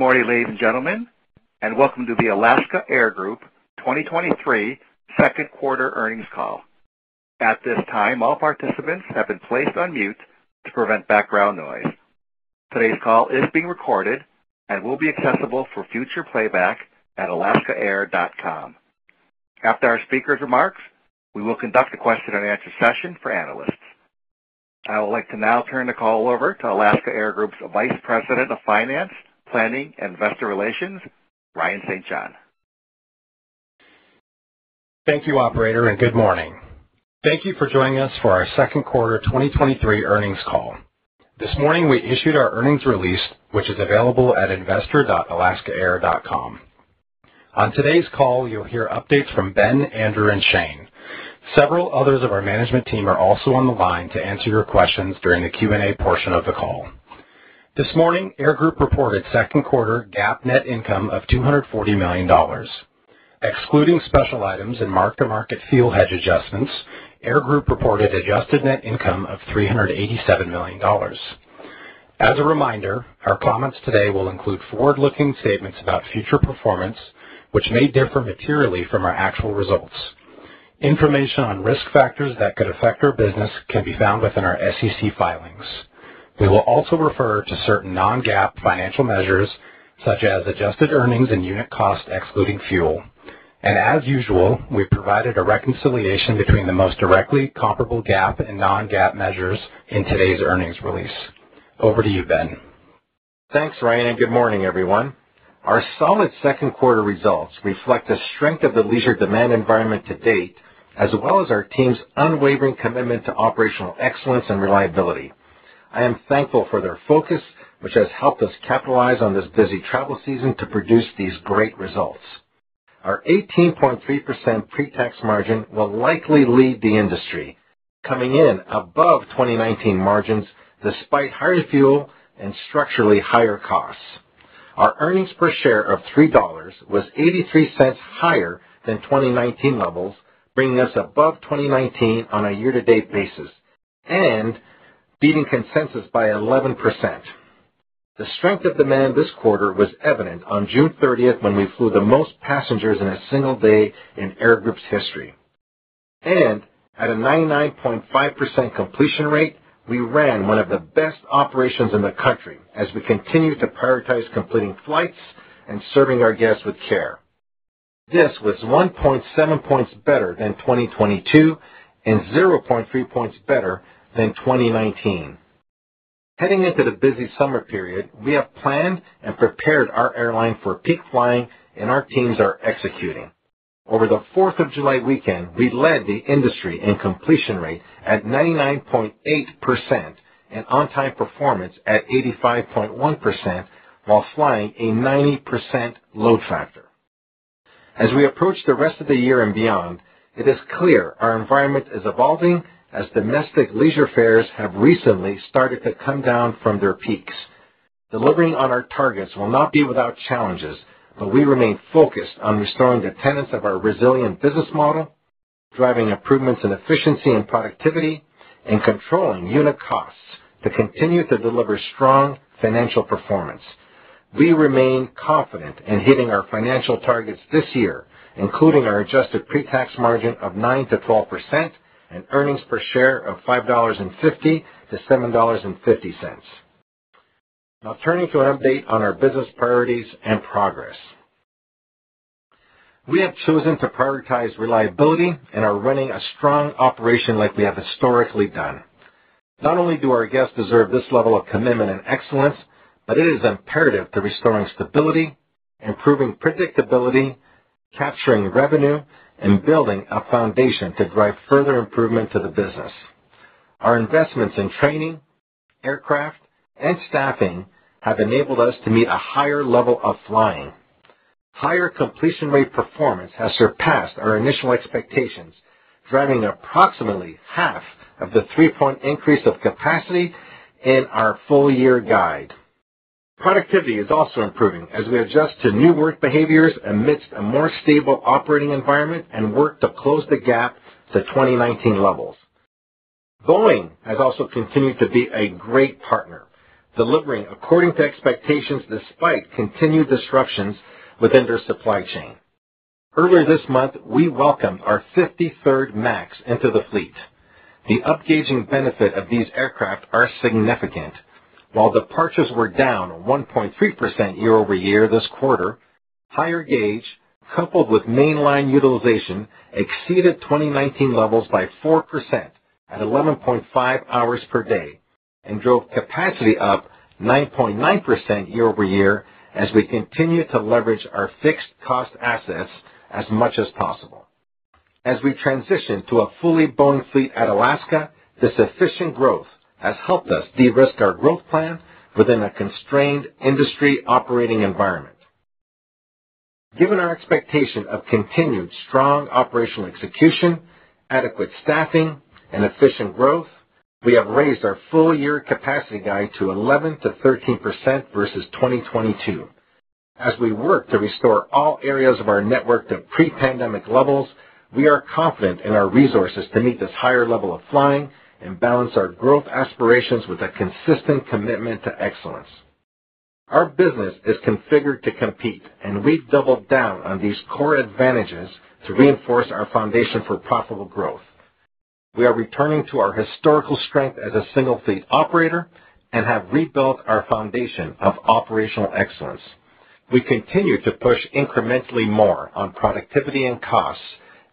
Good morning, ladies and gentlemen, and welcome to the Alaska Air Group 2023 second quarter earnings call. At this time, all participants have been placed on mute to prevent background noise. Today's call is being recorded and will be accessible for future playback at investor.alaskaair.com. After our speakers' remarks, we will conduct a question-and-answer session for analysts. I would like to now turn the call over to Alaska Air Group's Vice President of Finance, Planning, and Investor Relations, Ryan St. John. Thank you, operator, and good morning. Thank you for joining us for our second quarter 2023 earnings call. This morning, we issued our earnings release, which is available at investor.alaskaair.com. On today's call, you'll hear updates from Ben, Andrew, and Shane. Several others of our management team are also on the line to answer your questions during the Q&A portion of the call. This morning, Air Group reported second quarter GAAP net income of $240 million. Excluding special items and mark-to-market fuel hedge adjustments, Air Group reported adjusted net income of $387 million. As a reminder, our comments today will include forward-looking statements about future performance, which may differ materially from our actual results. Information on risk factors that could affect our business can be found within our SEC filings. We will also refer to certain non-GAAP financial measures, such as adjusted earnings and unit cost, excluding fuel. As usual, we provided a reconciliation between the most directly comparable GAAP and non-GAAP measures in today's earnings release. Over to you, Ben. Thanks, Ryan, and good morning, everyone. Our solid second quarter results reflect the strength of the leisure demand environment to date, as well as our team's unwavering commitment to operational excellence and reliability. I am thankful for their focus, which has helped us capitalize on this busy travel season to produce these great results. Our 18.3% pretax margin will likely lead the industry, coming in above 2019 margins, despite higher fuel and structurally higher costs. Our earnings per share of $3 was $0.83 higher than 2019 levels, bringing us above 2019 on a year-to-date basis and beating consensus by 11%. The strength of demand this quarter was evident on June 30th, when we flew the most passengers in a single day in Air Group's history. At a 99.5% completion rate, we ran one of the best operations in the country as we continued to prioritize completing flights and serving our guests with care. This was 1.7 points better than 2022 and 0.3 points better than 2019. Heading into the busy summer period, we have planned and prepared our airline for peak flying, and our teams are executing. Over the 4th of July weekend, we led the industry in completion rate at 99.8% and on-time performance at 85.1%, while flying a 90% load factor. As we approach the rest of the year and beyond, it is clear our environment is evolving as domestic leisure fares have recently started to come down from their peaks. Delivering on our targets will not be without challenges, but we remain focused on restoring the tenets of our resilient business model, driving improvements in efficiency and productivity, and controlling unit costs to continue to deliver strong financial performance. We remain confident in hitting our financial targets this year, including our adjusted pre-tax margin of 9%-12% and earnings per share of $5.50-$7.50. Turning to an update on our business priorities and progress. We have chosen to prioritize reliability and are running a strong operation like we have historically done. Not only do our guests deserve this level of commitment and excellence, but it is imperative to restoring stability, improving predictability, capturing revenue, and building a foundation to drive further improvement to the business. Our investments in training, aircraft, and staffing have enabled us to meet a higher level of flying. Higher completion rate performance has surpassed our initial expectations, driving approximately half of the three-point increase of capacity in our full year guide. Productivity is also improving as we adjust to new work behaviors amidst a more stable operating environment and work to close the gap to 2019 levels. Boeing has also continued to be a great partner, delivering according to expectations, despite continued disruptions within their supply chain. Earlier this month, we welcomed our 53rd MAX into the fleet. The up gauging benefit of these aircraft are significant. While departures were down 1.3% year-over-year this quarter, higher gauge, coupled with mainline utilization, exceeded 2019 levels by 4% at 11.5 hours per day and drove capacity up 9.9% year-over-year as we continue to leverage our fixed cost assets as much as possible. As we transition to a fully Boeing fleet at Alaska, this efficient growth has helped us de-risk our growth plan within a constrained industry operating environment. Given our expectation of continued strong operational execution, adequate staffing, and efficient growth, we have raised our full-year capacity guide to 11%-13% versus 2022. As we work to restore all areas of our network to pre-pandemic levels. We are confident in our resources to meet this higher level of flying and balance our growth aspirations with a consistent commitment to excellence. Our business is configured to compete, and we've doubled down on these core advantages to reinforce our foundation for profitable growth. We are returning to our historical strength as a single fleet operator and have rebuilt our foundation of operational excellence. We continue to push incrementally more on productivity and costs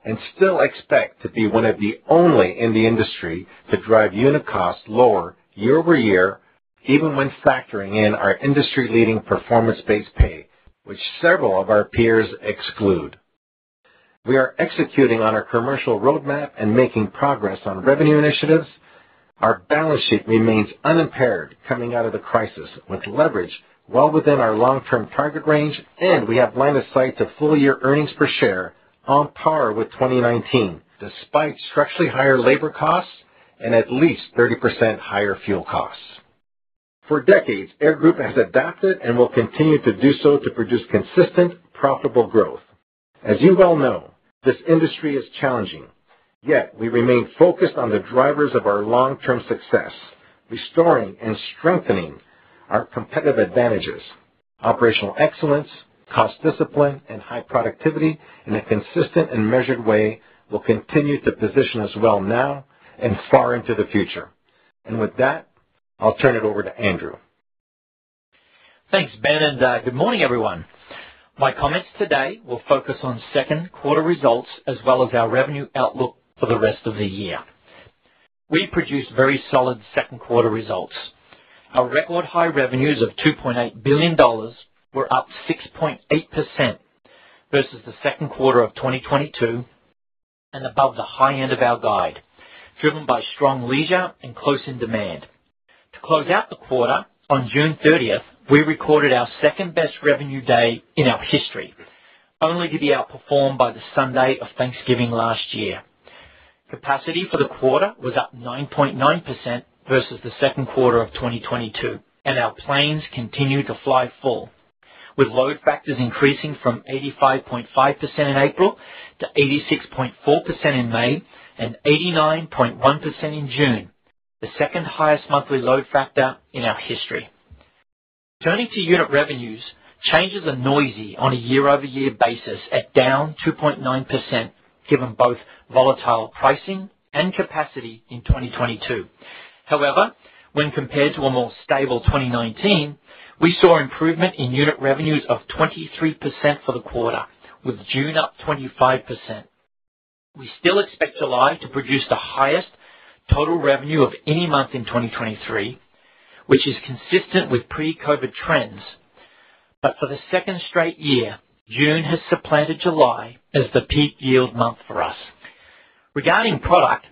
and still expect to be one of the only in the industry to drive unit costs lower year-over-year, even when factoring in our industry-leading performance-based pay, which several of our peers exclude. We are executing on our commercial roadmap and making progress on revenue initiatives. Our balance sheet remains unimpaired coming out of the crisis, with leverage well within our long-term target range, and we have line of sight to full-year earnings per share on par with 2019, despite structurally higher labor costs and at least 30% higher fuel costs. For decades, Air Group has adapted and will continue to do so to produce consistent, profitable growth. As you well know, this industry is challenging, yet we remain focused on the drivers of our long-term success, restoring and strengthening our competitive advantages, operational excellence, cost discipline, and high productivity in a consistent and measured way will continue to position us well now and far into the future. With that, I'll turn it over to Andrew. Thanks, Ben, and good morning, everyone. My comments today will focus on second quarter results as well as our revenue outlook for the rest of the year. We produced very solid second quarter results. Our record-high revenues of $2.8 billion were up 6.8% versus the second quarter of 2022 and above the high end of our guide, driven by strong leisure and closing demand. To close out the quarter, on June 30th, we recorded our second-best revenue day in our history, only to be outperformed by the Sunday of Thanksgiving last year. Capacity for the quarter was up 9.9% versus the second quarter of 2022. Our planes continued to fly full, with load factors increasing from 85.5% in April to 86.4% in May and 89.1% in June, the second highest monthly load factor in our history. Turning to unit revenues, changes are noisy on a year-over-year basis at down 2.9%, given both volatile pricing and capacity in 2022. However, when compared to a more stable 2019, we saw improvement in unit revenues of 23% for the quarter, with June up 25%. We still expect July to produce the highest total revenue of any month in 2023, which is consistent with pre-COVID trends. For the second straight year, June has supplanted July as the peak yield month for us. Regarding product,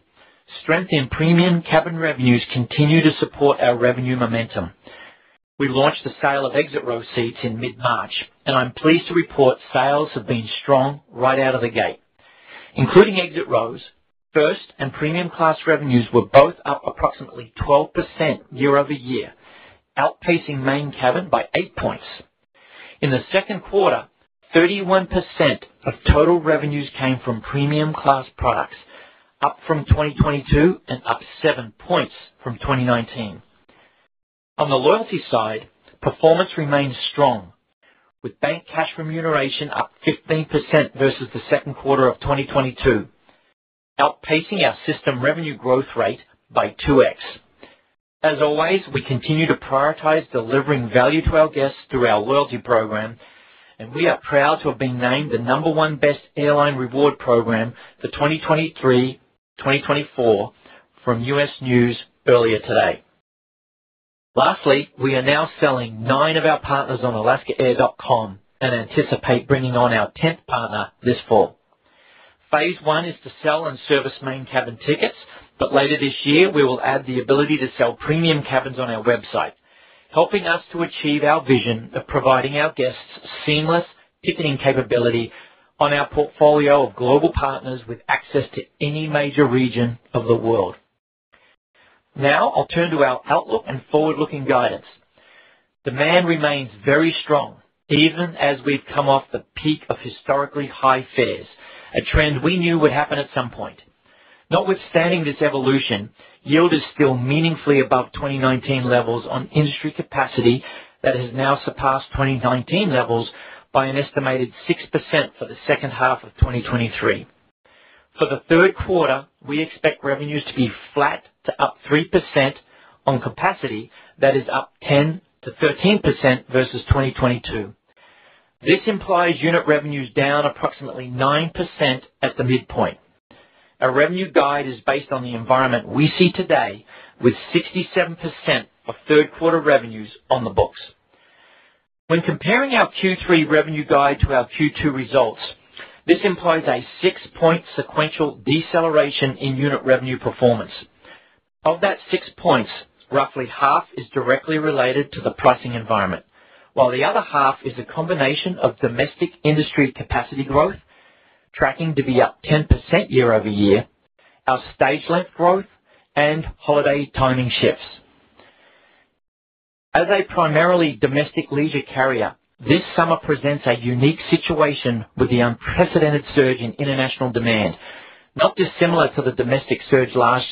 strength in premium cabin revenues continue to support our revenue momentum. We launched the sale of exit row seats in mid-March, and I'm pleased to report sales have been strong right out of the gate. Including exit rows, first and premium class revenues were both up approximately 12% year-over-year, outpacing main cabin by eight points. In the second quarter, 31% of total revenues came from premium class products, up from 2022 and up seven points from 2019. On the loyalty side, performance remains strong, with bank cash remuneration up 15% versus the second quarter of 2022, outpacing our system revenue growth rate by 2x. As always, we continue to prioritize delivering value to our guests through our loyalty program, and we are proud to have been named the number one best airline reward program for 2023, 2024 from U.S. News earlier today. Lastly, we are now selling nine of our partners on alaskaair.com and anticipate bringing on our tenth partner this fall. Phase one is to sell and service main cabin tickets, but later this year, we will add the ability to sell premium cabins on our website, helping us to achieve our vision of providing our guests seamless ticketing capability on our portfolio of global partners with access to any major region of the world. Now I'll turn to our outlook and forward-looking guidance. Demand remains very strong, even as we've come off the peak of historically high fares, a trend we knew would happen at some point. Notwithstanding this evolution, yield is still meaningfully above 2019 levels on industry capacity that has now surpassed 2019 levels by an estimated 6% for the second half of 2023. For the third quarter, we expect revenues to be flat to up 3% on capacity. That is up 10%-13% versus 2022. This implies unit revenues down approximately 9% at the midpoint. Our revenue guide is based on the environment we see today, with 67% of third quarter revenues on the books. When comparing our Q3 revenue guide to our Q2 results, this implies a six-point sequential deceleration in unit revenue performance. Of that six points, roughly half is directly related to the pricing environment, while the other half is a combination of domestic industry capacity growth, tracking to be up 10% year-over-year, our stage length growth, and holiday timing shifts. As a primarily domestic leisure carrier, this summer presents a unique situation with the unprecedented surge in international demand, not dissimilar to the domestic surge last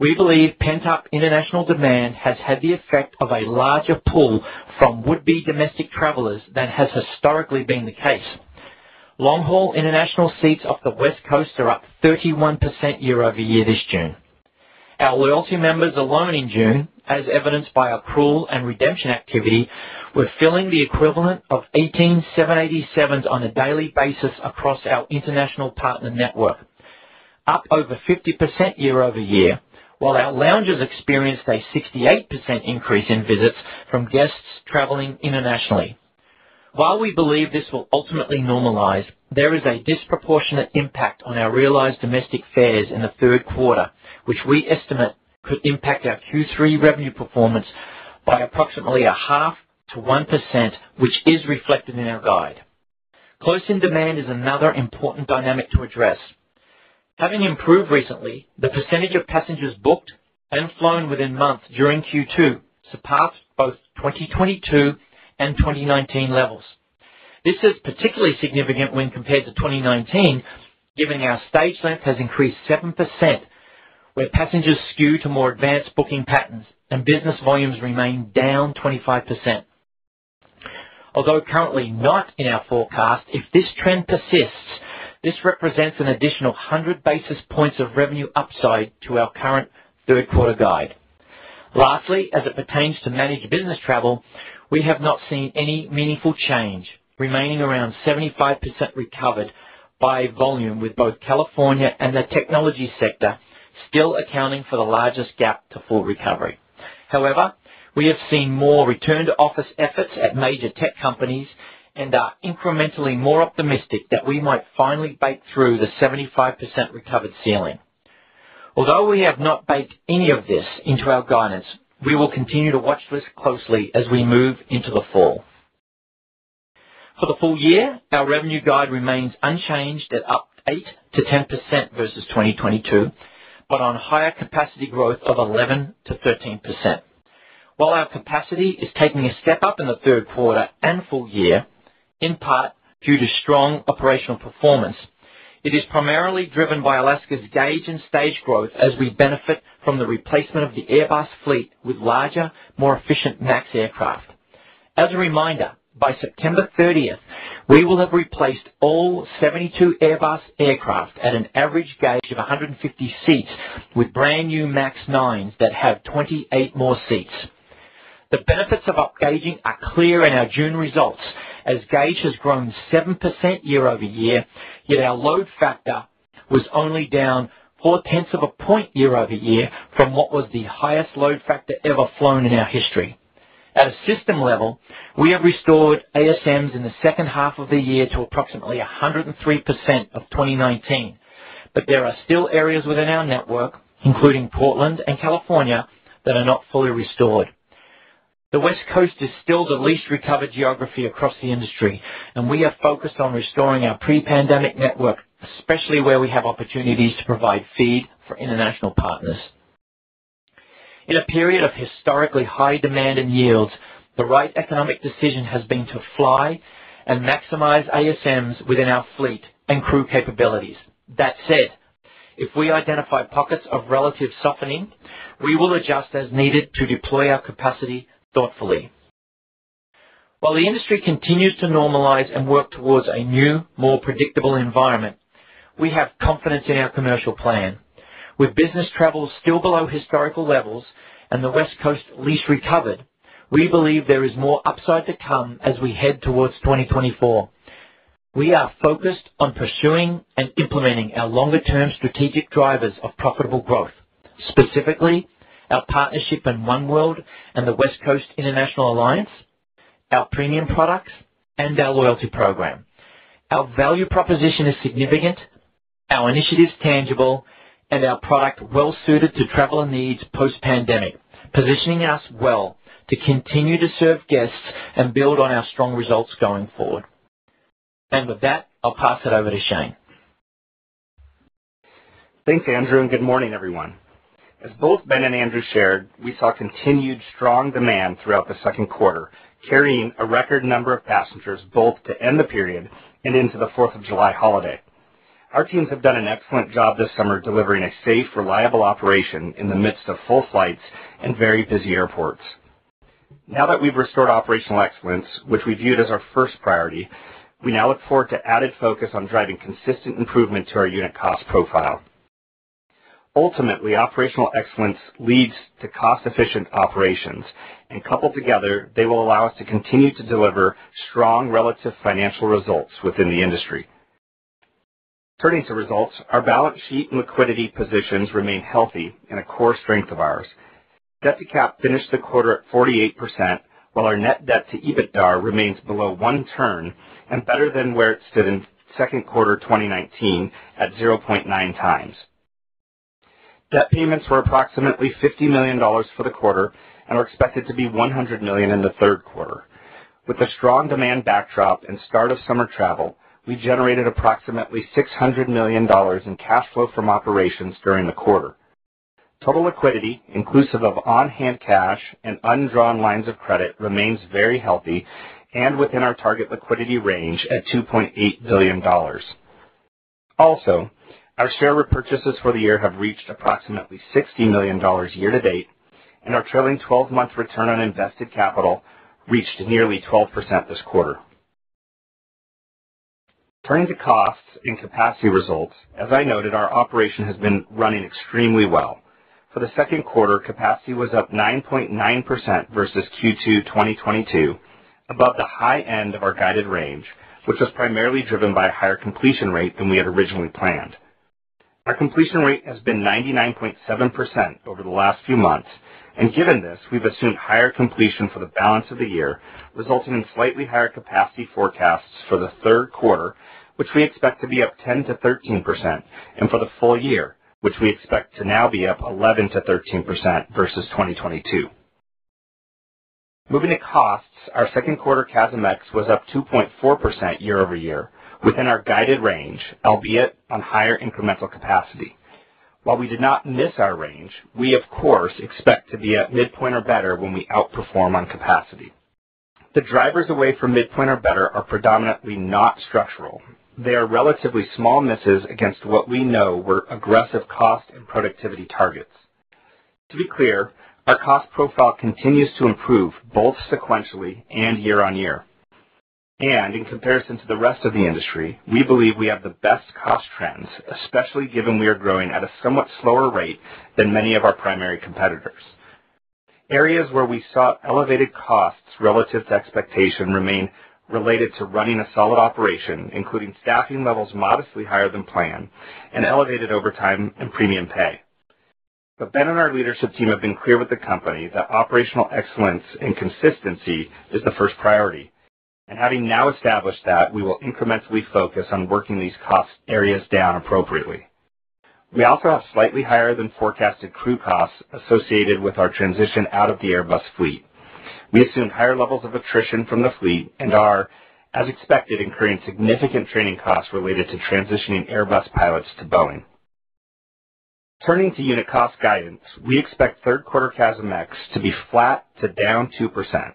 year. We believe pent-up international demand has had the effect of a larger pull from would-be domestic travelers than has historically been the case. Long-haul international seats off the West Coast are up 31% year-over-year this June. Our loyalty members alone in June, as evidenced by accrual and redemption activity, were filling the equivalent of 18 787s on a daily basis across our international partner network, up over 50% year-over-year, while our lounges experienced a 68% increase in visits from guests traveling internationally. While we believe this will ultimately normalize, there is a disproportionate impact on our realized domestic fares in the third quarter, which we estimate could impact our Q3 revenue performance by approximately a half to 1%, which is reflected in our guide. Close-in demand is another important dynamic to address. Having improved recently, the percentage of passengers booked and flown within months during Q2 surpassed both 2022 and 2019 levels. This is particularly significant when compared to 2019, given our stage length has increased 7%, where passengers skew to more advanced booking patterns and business volumes remain down 25%. Currently not in our forecast, if this trend persists, this represents an additional 100 basis points of revenue upside to our current third quarter guide. As it pertains to managed business travel, we have not seen any meaningful change, remaining around 75% recovered by volume, with both California and the technology sector still accounting for the largest gap to full recovery. We have seen more return-to-office efforts at major tech companies and are incrementally more optimistic that we might finally break through the 75% recovered ceiling. We have not baked any of this into our guidance, we will continue to watch this closely as we move into the fall. For the full year, our revenue guide remains unchanged at up 8%-10% versus 2022, but on higher capacity growth of 11%-13%. While our capacity is taking a step up in the third quarter and full year, in part due to strong operational performance, it is primarily driven by Alaska's gauge and stage growth as we benefit from the replacement of the Airbus fleet with larger, more efficient MAX aircraft. As a reminder, by September 30th, we will have replaced all 72 Airbus aircraft at an average gauge of 150 seats, with brand-new MAX 9s that have 28 more seats. The benefits of upgauging are clear in our June results, as gauge has grown 7% year-over-year, yet our load factor was only down four-tenths of a point year-over-year from what was the highest load factor ever flown in our history. At a system level, we have restored ASMs in the second half of the year to approximately 103% of 2019. There are still areas within our network, including Portland and California, that are not fully restored. The West Coast is still the least recovered geography across the industry, and we are focused on restoring our pre-pandemic network, especially where we have opportunities to provide feed for international partners. In a period of historically high demand and yields, the right economic decision has been to fly and maximize ASMs within our fleet and crew capabilities. That said, if we identify pockets of relative softening, we will adjust as needed to deploy our capacity thoughtfully. While the industry continues to normalize and work towards a new, more predictable environment, we have confidence in our commercial plan. With business travel still below historical levels and the West Coast least recovered, we believe there is more upside to come as we head towards 2024. We are focused on pursuing and implementing our longer-term strategic drivers of profitable growth, specifically our partnership in oneworld and the West Coast International Alliance, our premium products, and our loyalty program. Our value proposition is significant, our initiatives tangible, and our product well-suited to traveler needs post-pandemic, positioning us well to continue to serve guests and build on our strong results going forward. With that, I'll pass it over to Shane. Thanks, Andrew. Good morning, everyone. As both Ben and Andrew shared, we saw continued strong demand throughout the second quarter, carrying a record number of passengers, both to end the period and into the 4th of July holiday. Our teams have done an excellent job this summer delivering a safe, reliable operation in the midst of full flights and very busy airports. Now that we've restored operational excellence, which we viewed as our first priority, we now look forward to added focus on driving consistent improvement to our unit cost profile. Ultimately, operational excellence leads to cost-efficient operations, and coupled together, they will allow us to continue to deliver strong relative financial results within the industry. Turning to results, our balance sheet and liquidity positions remain healthy and a core strength of ours. Debt-to-cap finished the quarter at 48%, while our net debt-to-EBITDA remains below 1 turn and better than where it stood in second quarter 2019 at 0.9 times. Debt payments were approximately $50 million for the quarter and are expected to be $100 million in the third quarter. With a strong demand backdrop and start of summer travel, we generated approximately $600 million in cash flow from operations during the quarter. Total liquidity, inclusive of on-hand cash and undrawn lines of credit, remains very healthy and within our target liquidity range at $2.8 billion. Also, our share repurchases for the year have reached approximately $60 million year-to-date, and our trailing 12-month return on invested capital reached nearly 12% this quarter. Turning to costs and capacity results, as I noted, our operation has been running extremely well. For the second quarter, capacity was up 9.9% versus Q2 2022, above the high end of our guided range, which was primarily driven by a higher completion rate than we had originally planned. Our completion rate has been 99.7% over the last few months, and given this, we've assumed higher completion for the balance of the year, resulting in slightly higher capacity forecasts for the third quarter, which we expect to be up 10%-13%, and for the full year, which we expect to now be up 11%-13% versus 2022. Moving to costs, our second quarter CASM-ex was up 2.4% year-over-year within our guided range, albeit on higher incremental capacity. While we did not miss our range, we of course, expect to be at midpoint or better when we outperform on capacity. The drivers away from midpoint or better are predominantly not structural. They are relatively small misses against what we know were aggressive cost and productivity targets. To be clear, our cost profile continues to improve both sequentially and year-over-year. In comparison to the rest of the industry, we believe we have the best cost trends, especially given we are growing at a somewhat slower rate than many of our primary competitors. Areas where we saw elevated costs relative to expectation remain related to running a solid operation, including staffing levels modestly higher than planned and elevated overtime and premium pay. Ben and our leadership team have been clear with the company that operational excellence and consistency is the first priority, and having now established that, we will incrementally focus on working these cost areas down appropriately. We also have slightly higher than forecasted crew costs associated with our transition out of the Airbus fleet. We assume higher levels of attrition from the fleet and are, as expected, incurring significant training costs related to transitioning Airbus pilots to Boeing. Turning to unit cost guidance, we expect third quarter CASM-ex to be flat to down 2%.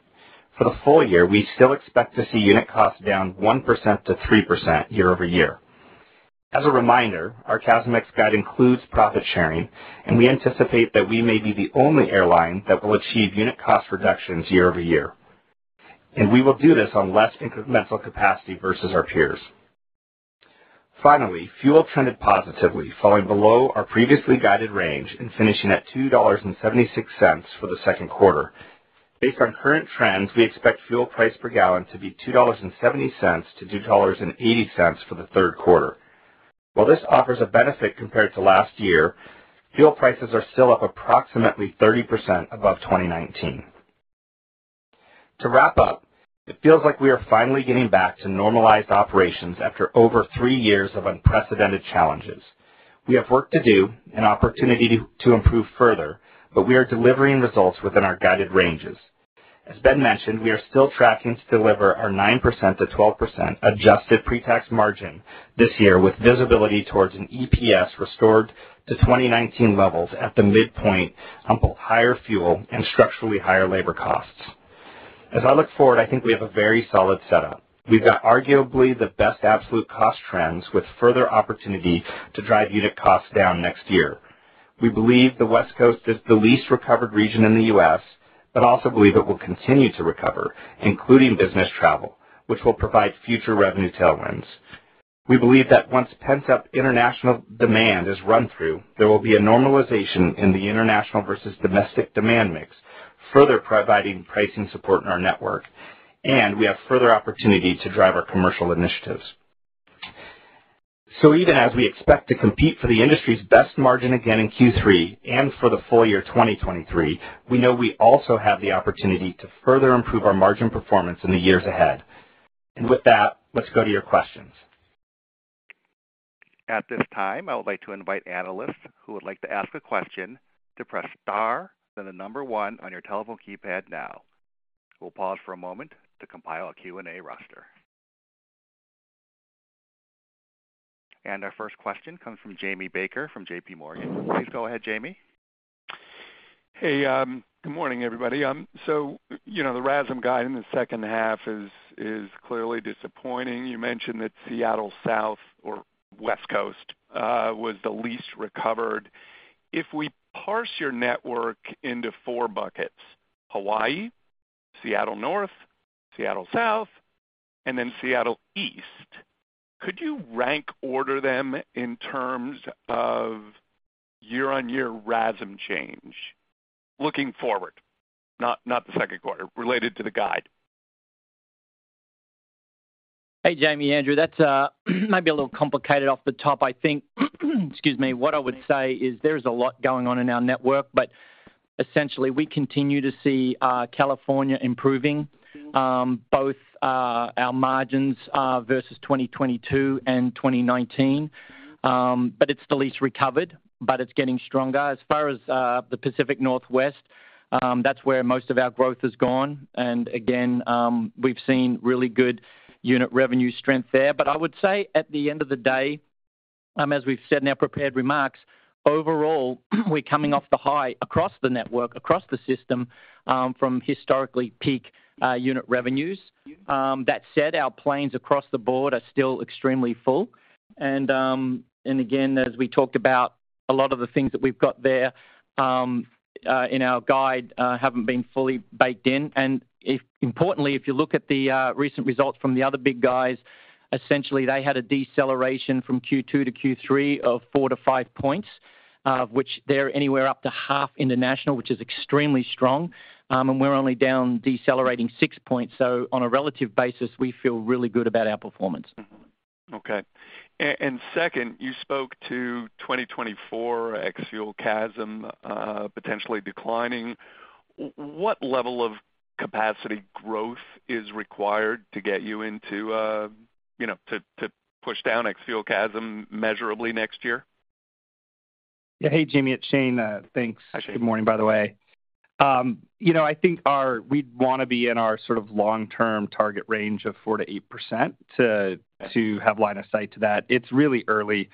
For the full year, we still expect to see unit costs down 1%-3% year-over-year. As a reminder, our CASM-ex guide includes profit sharing, and we anticipate that we may be the only airline that will achieve unit cost reductions year-over-year. We will do this on less incremental capacity versus our peers. Fuel trended positively, falling below our previously guided range and finishing at $2.76 for the second quarter. Based on current trends, we expect fuel price per gallon to be $2.70-$2.80 for the third quarter. While this offers a benefit compared to last year, fuel prices are still up approximately 30% above 2019. It feels like we are finally getting back to normalized operations after over three years of unprecedented challenges. We have work to do and opportunity to improve further, but we are delivering results within our guided ranges. As Ben mentioned, we are still tracking to deliver our 9%-12% adjusted pre-tax margin this year, with visibility towards an EPS restored to 2019 levels at the midpoint on both higher fuel and structurally higher labor costs. As I look forward, I think we have a very solid setup. We've got arguably the best absolute cost trends, with further opportunity to drive unit costs down next year. We believe the West Coast is the least recovered region in the U.S., but also believe it will continue to recover, including business travel, which will provide future revenue tailwinds. We believe that once pent-up international demand is run through, there will be a normalization in the international versus domestic demand mix, further providing pricing support in our network, and we have further opportunity to drive our commercial initiatives. Even as we expect to compete for the industry's best margin again in Q3 and for the full year 2023, we know we also have the opportunity to further improve our margin performance in the years ahead. With that, let's go to your questions. At this time, I would like to invite analysts who would like to ask a question to press star, then the number one on your telephone keypad now. We'll pause for a moment to compile a Q&A roster. Our first question comes from Jamie Baker from JPMorgan. Please go ahead, Jamie. Hey, good morning, everybody. You know, the RASM guide in the second half is clearly disappointing. You mentioned that Seattle South or West Coast was the least recovered. If we parse your network into four buckets, Hawaii, Seattle North, Seattle South, and Seattle East, could you rank order them in terms of year-on-year RASM change looking forward, not the second quarter, related to the guide? Hey, Jamie. Andrew, that's might be a little complicated off the top. I think, excuse me. What I would say is there's a lot going on in our network, but essentially, we continue to see California improving, both our margins versus 2022 and 2019. It's the least recovered, but it's getting stronger. As far as the Pacific Northwest, that's where most of our growth has gone, and again, we've seen really good unit revenue strength there. I would say at the end of the day, as we've said in our prepared remarks, overall, we're coming off the high across the network, across the system, from historically peak unit revenues. That said, our planes across the board are still extremely full. Again, as we talked about, a lot of the things that we've got there in our guide haven't been fully baked in. Importantly, if you look at the recent results from the other big guys, essentially, they had a deceleration from Q2 to Q3 of four to five points, which they're anywhere up to half international, which is extremely strong. We're only down decelerating six points. On a relative basis, we feel really good about our performance. Okay. Second, you spoke to 2024 ex-fuel CASM potentially declining. What level of capacity growth is required to get you into, you know, to push down ex-fuel CASM measurably next year? Yeah. Hey, Jamie, it's Shane. Thanks. Actually good morning, by the way. You know, I think our we'd want to be in our sort of long-term target range of 4%-8% to have line of sight to that. It's really early,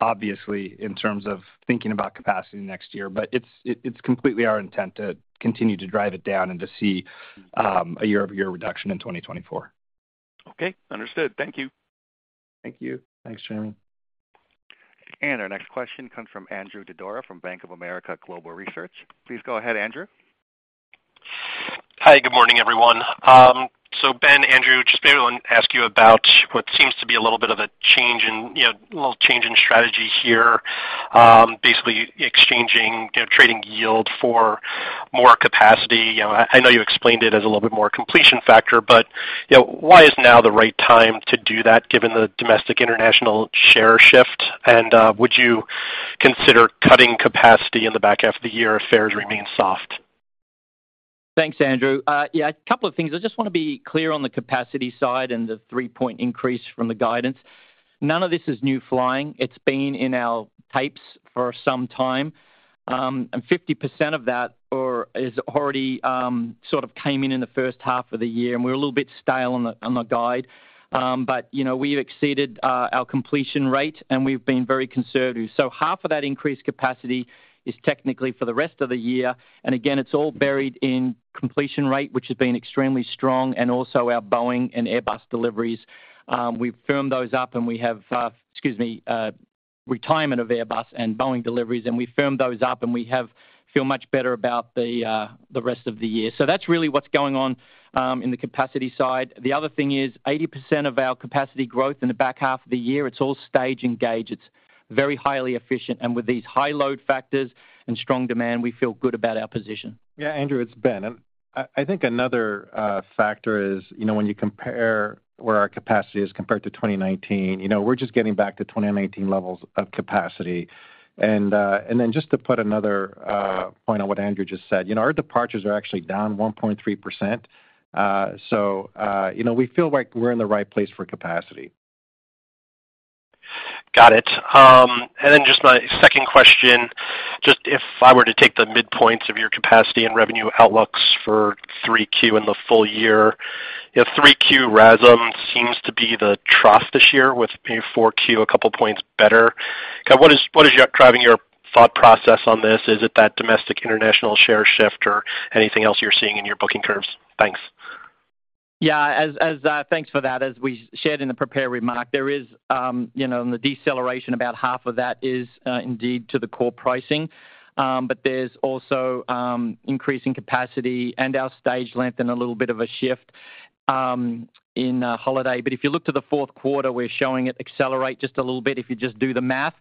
obviously, in terms of thinking about capacity next year, but it's completely our intent to continue to drive it down and to see a year-over-year reduction in 2024. Okay, understood. Thank you. Thank you. Thanks, Jamie. Our next question comes from Andrew Didora from Bank of America Global Research. Please go ahead, Andrew. Hi, good morning, everyone. Ben, Andrew, just wanted to ask you about what seems to be a little bit of a change in, you know, a little change in strategy here. Basically exchanging, you know, trading yield for more capacity. You know, I know you explained it as a little bit more completion rate, but, you know, why is now the right time to do that, given the domestic international share shift? Would you consider cutting capacity in the back half of the year if fares remain soft? Thanks, Andrew. Yeah, a couple of things. I just want to be clear on the capacity side and the three-point increase from the guidance. None of this is new flying. It's been in our types for some time. 50% of that or is already sort of came in in the first half of the year, and we're a little bit stale on the guide. You know, we've exceeded our completion rate, and we've been very conservative. Half of that increased capacity is technically for the rest of the year, and again, it's all buried in completion rate, which has been extremely strong, and also our Boeing and Airbus deliveries. We've firmed those up, and we have, excuse me, retirement of Airbus and Boeing deliveries. We firmed those up, and we feel much better about the rest of the year. That's really what's going on in the capacity side. The other thing is, 80% of our capacity growth in the back half of the year, it's all stage and gauge. It's very highly efficient, and with these high load factors and strong demand, we feel good about our position. Yeah, Andrew, it's Ben. I think another factor is, you know, when you compare where our capacity is compared to 2019, you know, we're just getting back to 2019 levels of capacity. Then just to put another point on what Andrew just said, you know, our departures are actually down 1.3%. You know, we feel like we're in the right place for capacity. Got it. Just my second question, just if I were to take the midpoints of your capacity and revenue outlooks for 3Q and the full year, you know, 3Q RASM seems to be the trough this year, with maybe 4Q a couple points better. What is driving your thought process on this? Is it that domestic international share shift or anything else you're seeing in your booking curves? Thanks. Yeah, thanks for that. As we shared in the prepared remark, there is, you know, in the deceleration, about half of that is indeed to the core pricing. There's also increasing capacity and our stage length and a little bit of a shift in holiday. If you look to the fourth quarter, we're showing it accelerate just a little bit, if you just do the math.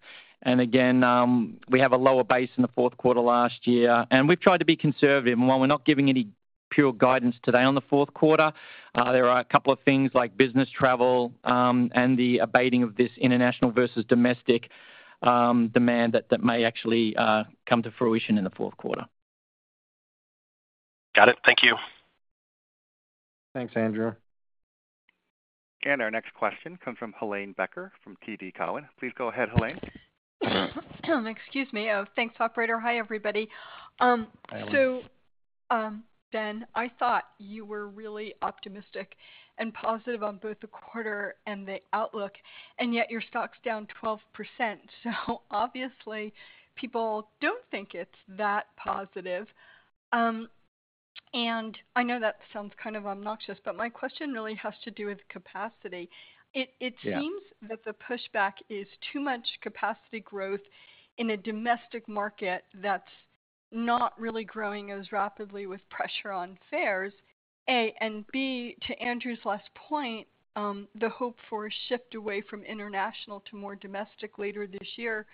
Again, we have a lower base in the fourth quarter last year. We've tried to be conservative, and while we're not giving any pure guidance today on the fourth quarter, there are a couple of things like business travel, and the abating of this international versus domestic demand that may actually come to fruition in the fourth quarter. Got it. Thank you. Thanks, Andrew. Our next question comes from Helane Becker from TD Cowen. Please go ahead, Helane. Excuse me. Thanks, operator. Hi, everybody. Hello. Ben, I thought you were really optimistic and positive on both the quarter and the outlook, and yet your stock's down 12%. Obviously, people don't think it's that positive. I know that sounds kind of obnoxious, but my question really has to do with capacity. Yeah. It seems that the pushback is too much capacity growth in a domestic market that's not really growing as rapidly with pressure on fares, A, and B, to Andrew's last point, the hope for a shift away from international to more domestic later this year.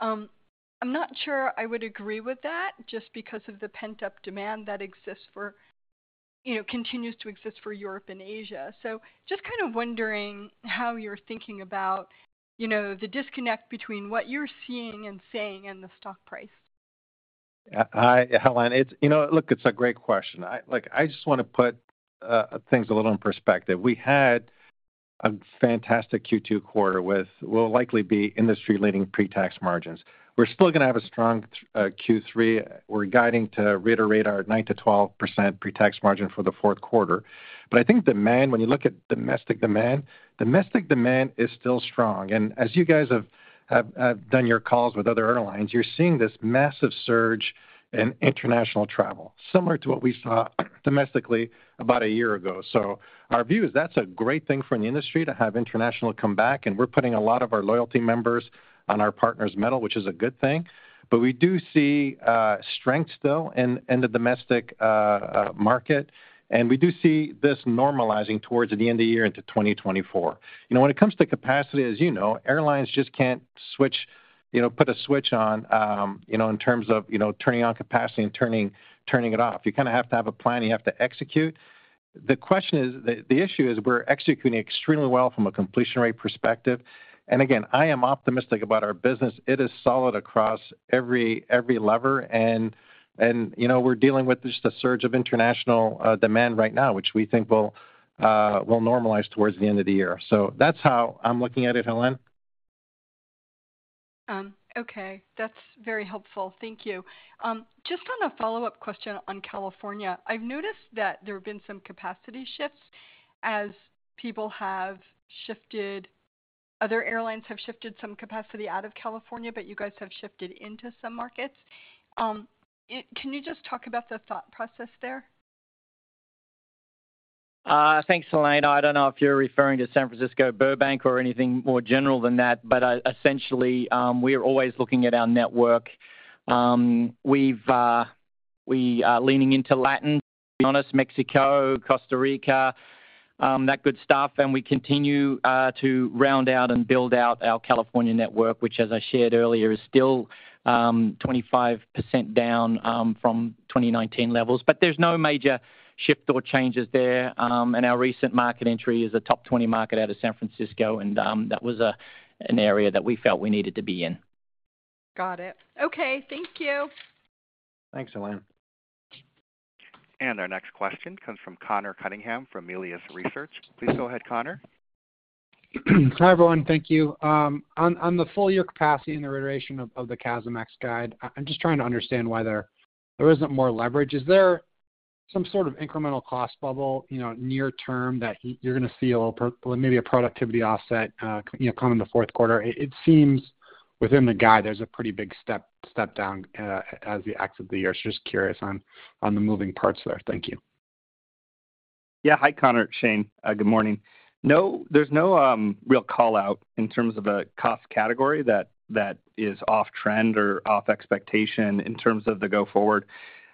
I'm not sure I would agree with that just because of the pent-up demand that exists for, you know, continues to exist for Europe and Asia. Just kind of wondering how you're thinking about, you know, the disconnect between what you're seeing and saying and the stock price? Hi, Helane. It's, you know, look, it's a great question. Like, I just want to put things a little in perspective. We had a fantastic Q2 quarter with what will likely be industry-leading pretax margins. We're still gonna have a strong Q3. We're guiding to reiterate our 9%-12% pretax margin for the fourth quarter. I think demand, when you look at domestic demand, domestic demand is still strong. As you guys have done your calls with other airlines, you're seeing this massive surge in international travel, similar to what we saw domestically about a year ago. Our view is that's a great thing for the industry to have international come back, and we're putting a lot of our loyalty members on our partners metal, which is a good thing. We do see strength still in the domestic market, and we do see this normalizing towards the end of the year into 2024. You know, when it comes to capacity, as you know, airlines just can't switch, put a switch on, in terms of turning on capacity and turning it off. You kind of have to have a plan, you have to execute. The question is, the issue is we're executing extremely well from a completion rate perspective. Again, I am optimistic about our business. It is solid across every lever and, you know, we're dealing with just a surge of international demand right now, which we think will normalize towards the end of the year. That's how I'm looking at it, Helane. Okay, that's very helpful. Thank you. Just on a follow-up question on California, I've noticed that there have been some capacity shifts as people have shifted, other airlines have shifted some capacity out of California, but you guys have shifted into some markets. Can you just talk about the thought process there? Thanks, Helane. I don't know if you're referring to San Francisco, Burbank, or anything more general than that, essentially, we are always looking at our network. We've, we are leaning into Latin, to be honest, Mexico, Costa Rica, that good stuff. We continue to round out and build out our California network, which, as I shared earlier, is still 25% down from 2019 levels. There's no major shift or changes there, our recent market entry is a top 20 market out of San Francisco, that was an area that we felt we needed to be in. Got it. Okay, thank you. Thanks, Helane. Our next question comes from Conor Cunningham from Melius Research. Please go ahead, Conor. Hi, everyone. Thank you. On the full year capacity and the iteration of the CASM-ex guide, I'm just trying to understand why there isn't more leverage. Is there some sort of incremental cost bubble, you know, near term, that you're gonna see a little well, maybe a productivity offset, you know, come in the fourth quarter? It seems within the guide, there's a pretty big step down, as we exit the year. Just curious on the moving parts there. Thank you. Yeah. Hi, Conor, Shane. Good morning. No, there's no real call-out in terms of a cost category that is off trend or off expectation in terms of the go-forward.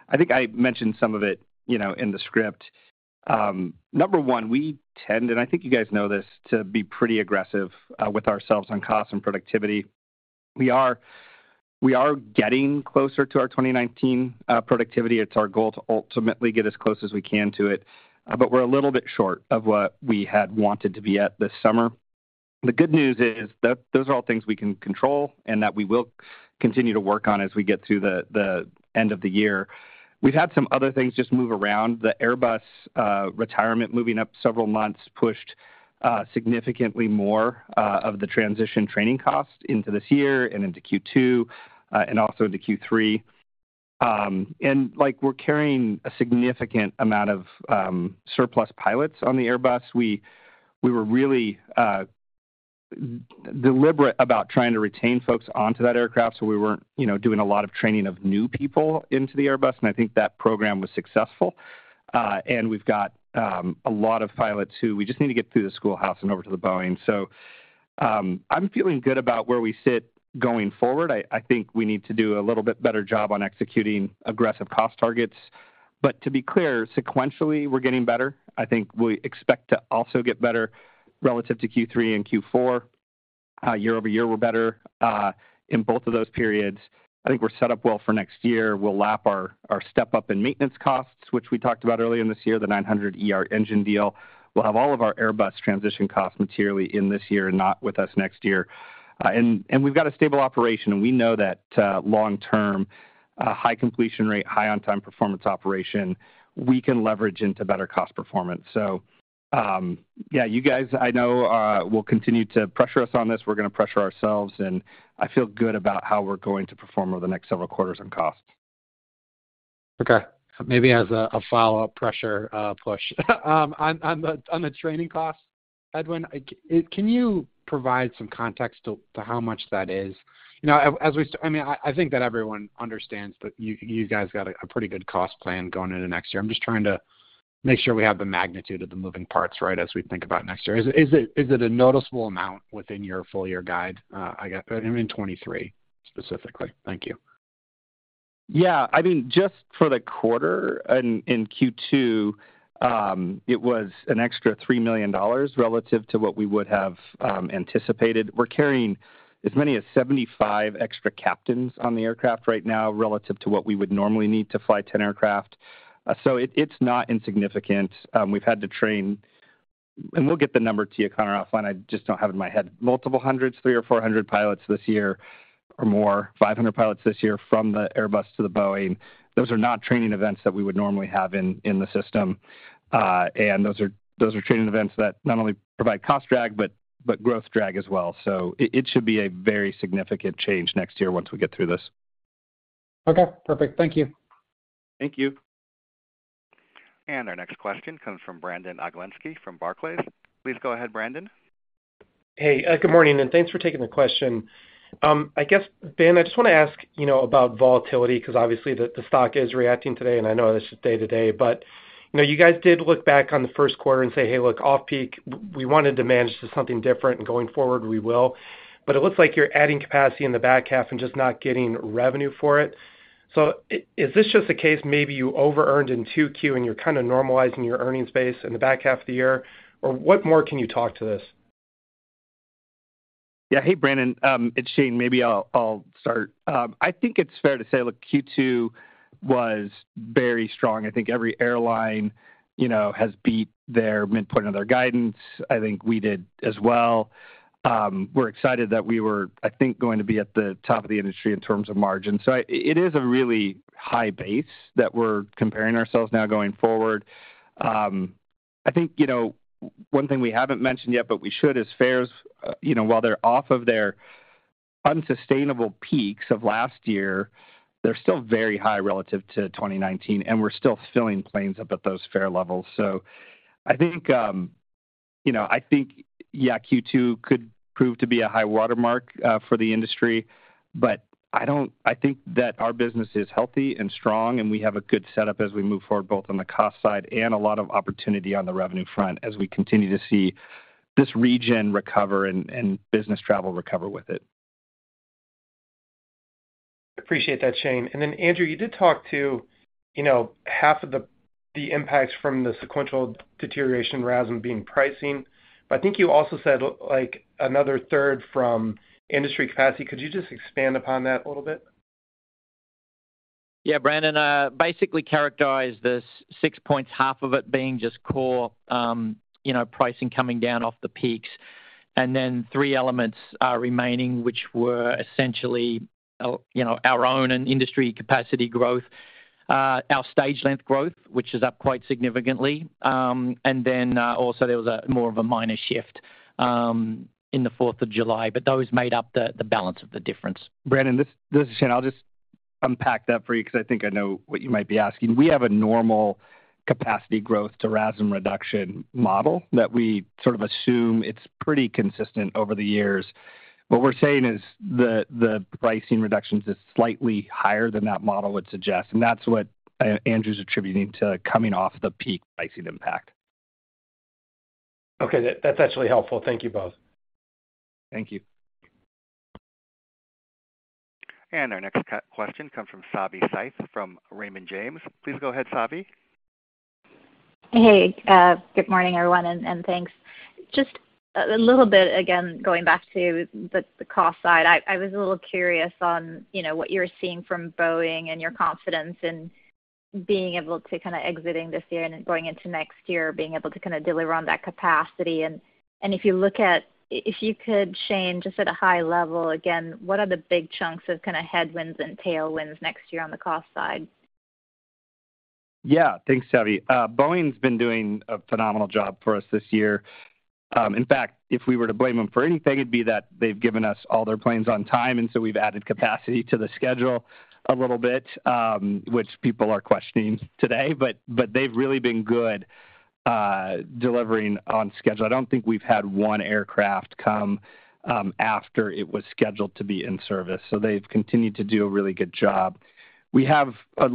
I think I mentioned some of it, you know, in the script. Number one, we tend, and I think you guys know this, to be pretty aggressive with ourselves on cost and productivity. We are getting closer to our 2019 productivity. It's our goal to ultimately get as close as we can to it, but we're a little bit short of what we had wanted to be at this summer. The good news is that those are all things we can control and that we will continue to work on as we get to the end of the year. We've had some other things just move around. The Airbus retirement moving up several months, pushed significantly more of the transition training costs into this year and into Q2 and also into Q3. Like, we're carrying a significant amount of surplus pilots on the Airbus. We were really deliberate about trying to retain folks onto that aircraft, so we weren't, you know, doing a lot of training of new people into the Airbus, and I think that program was successful. We've got a lot of pilots who we just need to get through the schoolhouse and over to the Boeing. I'm feeling good about where we sit going forward. I think we need to do a little bit better job on executing aggressive cost targets. To be clear, sequentially, we're getting better. I think we expect to also get better relative to Q3 and Q4. Year-over-year, we're better in both of those periods. I think we're set up well for next year. We'll lap our step-up in maintenance costs, which we talked about earlier this year, the 900ER engine deal. We'll have all of our Airbus transition costs materially in this year and not with us next year. We've got a stable operation, and we know that long-term, high completion rate, high on-time performance operation, we can leverage into better cost performance. Yeah, you guys, I know, will continue to pressure us on this. We're going to pressure ourselves, and I feel good about how we're going to perform over the next several quarters on costs. Okay. Maybe as a follow-up pressure, push on the training costs headwind, can you provide some context to how much that is? You know, I mean, I think that everyone understands that you guys got a pretty good cost plan going into next year. I'm just trying to make sure we have the magnitude of the moving parts right as we think about next year. Is it a noticeable amount within your full year guide? I mean, 2023 specifically. Thank you. I mean, just for the quarter in Q2, it was an extra $3 million relative to what we would have anticipated. We're carrying as many as 75 extra captains on the aircraft right now, relative to what we would normally need to fly 10 aircraft. It's not insignificant. We've had to train. And we'll get the number to you, Conor, offline. I just don't have it in my head. Multiple hundreds, 300 or 400 pilots this year or more, 500 pilots this year from the Airbus to the Boeing. Those are not training events that we would normally have in the system. Those are training events that not only provide cost drag, but growth drag as well. It should be a very significant change next year once we get through this. Okay, perfect. Thank you. Thank you. Our next question comes from Brandon Oglenski from Barclays. Please go ahead, Brandon. Hey, good morning, and thanks for taking the question. I guess, Ben, I just wanna ask, you know, about volatility, 'cause obviously the stock is reacting today, and I know this is day-to-day, but, you know, you guys did look back on the first quarter and say, "Hey, look, off-peak, we wanted to manage to something different, and going forward, we will." It looks like you're adding capacity in the back half and just not getting revenue for it. Is this just a case maybe you overearned in 2Q, and you're kind of normalizing your earnings base in the back half of the year? What more can you talk to this? Hey, Brandon, it's Shane. Maybe I'll start. I think it's fair to say, look, Q2 was very strong. I think every airline, you know, has beat their midpoint of their guidance. I think we did as well. We're excited that we were, I think, going to be at the top of the industry in terms of margin. It is a really high base that we're comparing ourselves now going forward. I think, you know, one thing we haven't mentioned yet, but we should, is fares. You know, while they're off of their unsustainable peaks of last year, they're still very high relative to 2019, and we're still filling planes up at those fare levels. I think, you know, I think Q2 could prove to be a high watermark for the industry, but I don't. I think that our business is healthy and strong. We have a good setup as we move forward, both on the cost side and a lot of opportunity on the revenue front as we continue to see this region recover and business travel recover with it. Appreciate that, Shane. Andrew, you did talk to, you know, half of the impacts from the sequential deterioration RASM being pricing, but I think you also said, like, another third from industry capacity. Could you just expand upon that a little more? Yeah, Brandon, basically characterized as six points, half of it being just core, you know, pricing coming down off the peaks, and then three elements are remaining, which were essentially, you know, our own and industry capacity growth, our stage length growth, which is up quite significantly, and then also there was a more of a minor shift in the 4th of July, but those made up the balance of the difference. Brandon, this is Shane. I'll just unpack that for you because I think I know what you might be asking. We have a normal capacity growth to RASM reduction model that we sort of assume it's pretty consistent over the years. What we're saying is the pricing reductions is slightly higher than that model would suggest, and that's what Andrew's attributing to coming off the peak pricing impact. Okay, that's actually helpful. Thank you both. Thank you. Our next question comes from Savi Syth from Raymond James. Please go ahead, Savi. Hey, good morning, everyone, and thanks. Just a little bit, again, going back to the cost side, I was a little curious on, you know, what you're seeing from Boeing and your confidence in being able to kinda exiting this year and then going into next year, being able to kinda deliver on that capacity. If you could, Shane, just at a high level, again, what are the big chunks of kinda headwinds and tailwinds next year on the cost side? Thanks, Savi. Boeing's been doing a phenomenal job for us this year. In fact, if we were to blame them for anything, it'd be that they've given us all their planes on time, we've added capacity to the schedule a little bit, which people are questioning today. They've really been good delivering on schedule. I don't think we've had one aircraft come after it was scheduled to be in service, they've continued to do a really good job. We have a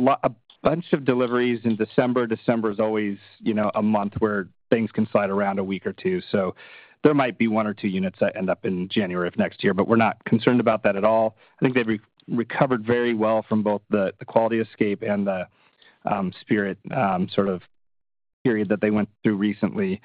bunch of deliveries in December. December is always, you know, a month where things can slide around a week or two. There might be one or two units that end up in January of next year, but we're not concerned about that at all. I think they've recovered very well from both the quality escape and the Spirit sort of period that they went through recently.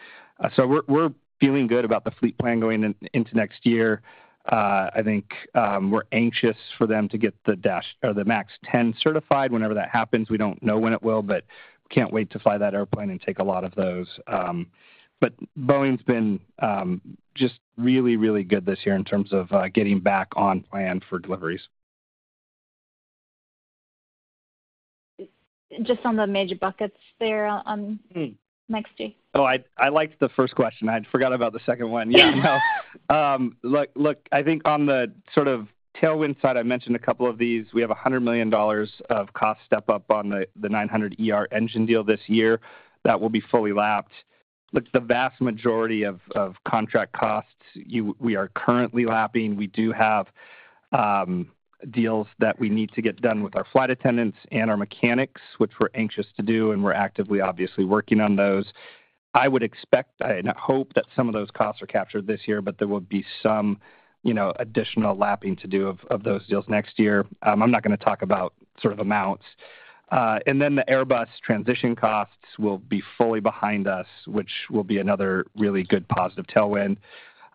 We're feeling good about the fleet plan going in, into next year. I think we're anxious for them to get the dash or the MAX 10 certified whenever that happens. We don't know when it will, but can't wait to fly that airplane and take a lot of those. Boeing's been just really, really good this year in terms of getting back on plan for deliveries. Just on the major buckets there on next year. Oh, I liked the first question. I forgot about the second one. No. Look, I think on the sort of tailwind side, I mentioned a couple of these. We have $100 million of cost step-up on the 900ER engine deal this year. That will be fully lapped. Look, the vast majority of contract costs, we are currently lapping. We do have deals that we need to get done with our flight attendants and our mechanics, which we're anxious to do, and we're actively, obviously, working on those. I would expect and hope that some of those costs are captured this year, but there will be some, you know, additional lapping to do of those deals next year. I'm not gonna talk about sort of amounts. The Airbus transition costs will be fully behind us, which will be another really good positive tailwind.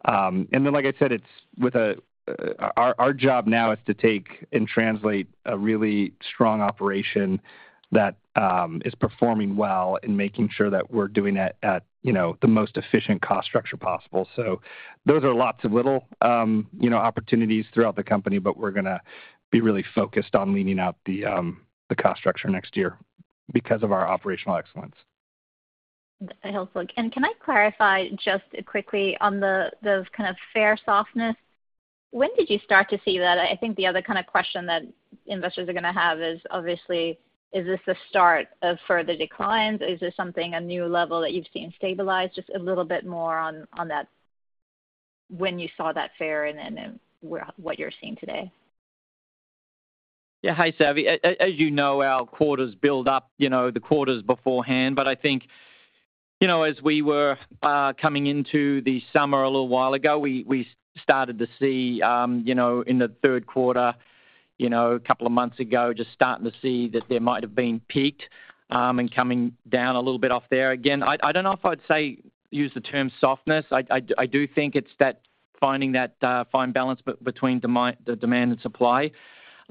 Like I said, it's with a, our job now is to take and translate a really strong operation that is performing well and making sure that we're doing it at, you know, the most efficient cost structure possible. Those are lots of little, you know, opportunities throughout the company, but we're gonna be really focused on leaning up the cost structure next year because of our operational excellence. Helpful. Can I clarify just quickly on the, those kind of fare softness? When did you start to see that? I think the other kind of question that investors are gonna have is obviously, is this the start of further declines? Is this something, a new level that you've seen stabilize? Just a little bit more on that, when you saw that fare and then, what you're seeing today. Yeah. Hi, Savi. As you know, our quarters build up, you know, the quarters beforehand. I think, you know, as we were coming into the summer a little while ago, we started to see, you know, in the third quarter, you know, a couple of months ago, just starting to see that there might have been peaked and coming down a little bit off there. Again, I don't know if I'd say use the term softness. I do think it's that finding that fine balance between the demand and supply.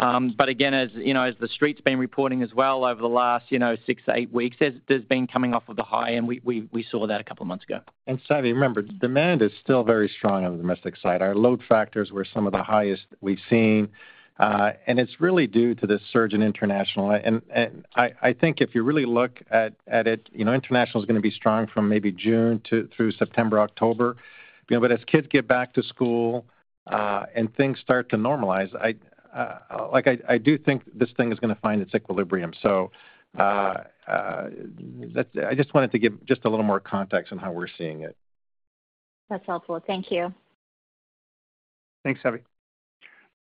Again, as, you know, as the street's been reporting as well over the last, you know, six to eight weeks, there's been coming off of the high, and we saw that a couple of months ago. Savi, remember, demand is still very strong on the domestic side. Our load factors were some of the highest we've seen, and it's really due to this surge in international. I think if you really look at it, you know, international is gonna be strong from maybe June through September, October. As kids get back to school, and things start to normalize, I do think this thing is gonna find its equilibrium. That's I just wanted to give just a little more context on how we're seeing it. That's helpful. Thank you. Thanks, Savi.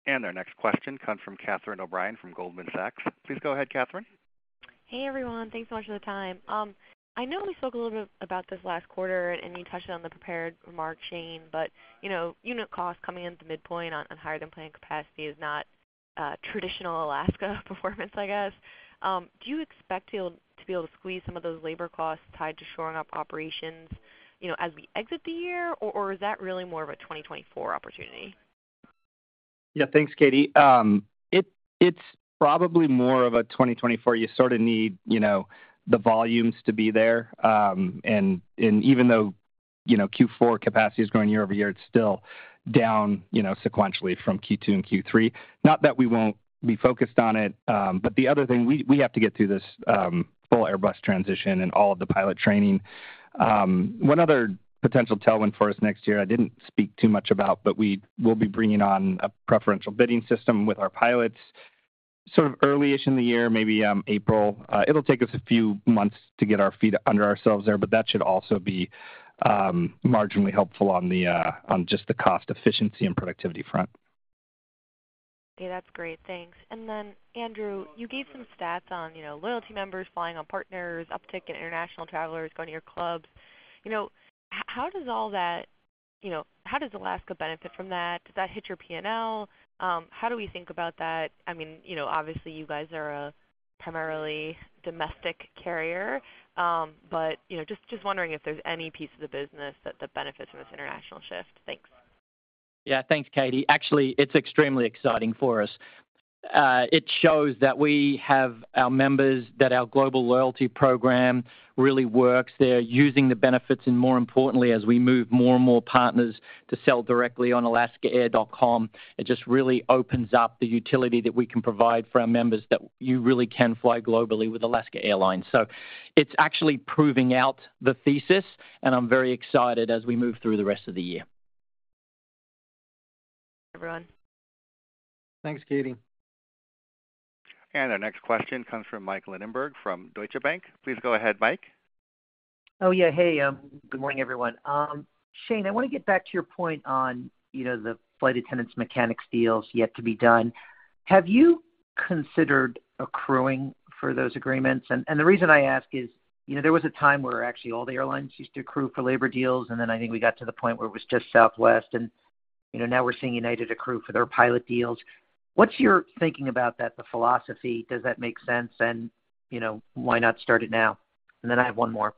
Our next question comes from Catherine O'Brien from Goldman Sachs. Please go ahead, Catherine. Hey, everyone. Thanks so much for the time. I know we spoke a little bit about this last quarter, and you touched on the prepared remarks, Shane, but, you know, unit costs coming in at the midpoint on higher than planned capacity is not traditional Alaska performance, I guess. Do you expect to be able to squeeze some of those labor costs tied to shoring up operations, you know, as we exit the year? Or is that really more of a 2024 opportunity? Yeah. Thanks, Catie. It's probably more of a 2024. You sort of need, you know, the volumes to be there, and even though, you know, Q4 capacity is growing year-over-year, it's still down, you know, sequentially from Q2 and Q3. Not that we won't be focused on it, the other thing, we have to get through this full Airbus transition and all of the pilot training. One other potential tailwind for us next year I didn't speak too much about, we will be bringing on a preferential bidding system with our pilots, sort of early-ish in the year, maybe, April. It'll take us a few months to get our feet under ourselves there, that should also be marginally helpful on just the cost efficiency and productivity front. Okay, that's great. Thanks. Andrew, you gave some stats on, you know, loyalty members flying on partners, uptick in international travelers going to your clubs. You know, how does Alaska benefit from that? Does that hit your P&L? How do we think about that? I mean, you know, obviously, you guys are a primarily domestic carrier, but, you know, just wondering if there's any piece of the business that benefits from this international shift? Thanks. Yeah. Thanks, Catie. Actually, it's extremely exciting for us. It shows that we have our members, that our global loyalty program really works. They're using the benefits, and more importantly, as we move more and more partners to sell directly on investor.alaskaair.com, it just really opens up the utility that we can provide for our members, that you really can fly globally with Alaska Airlines. It's actually proving out the thesis, and I'm very excited as we move through the rest of the year. Thanks, everyone. Thanks, Catie. Our next question comes from Mike Linenberg from Deutsche Bank. Please go ahead, Mike. Oh, yeah. Hey, good morning, everyone. Shane, I want to get back to your point on, you know, the flight attendants, mechanics deals yet to be done. Have you considered accruing for those agreements? The reason I ask is, you know, there was a time where actually all the airlines used to accrue for labor deals, then I think we got to the point where it was just Southwest, and, you know, now we're seeing United accrue for their pilot deals. What's your thinking about that, the philosophy? Does that make sense? You know, why not start it now? Then I have one more.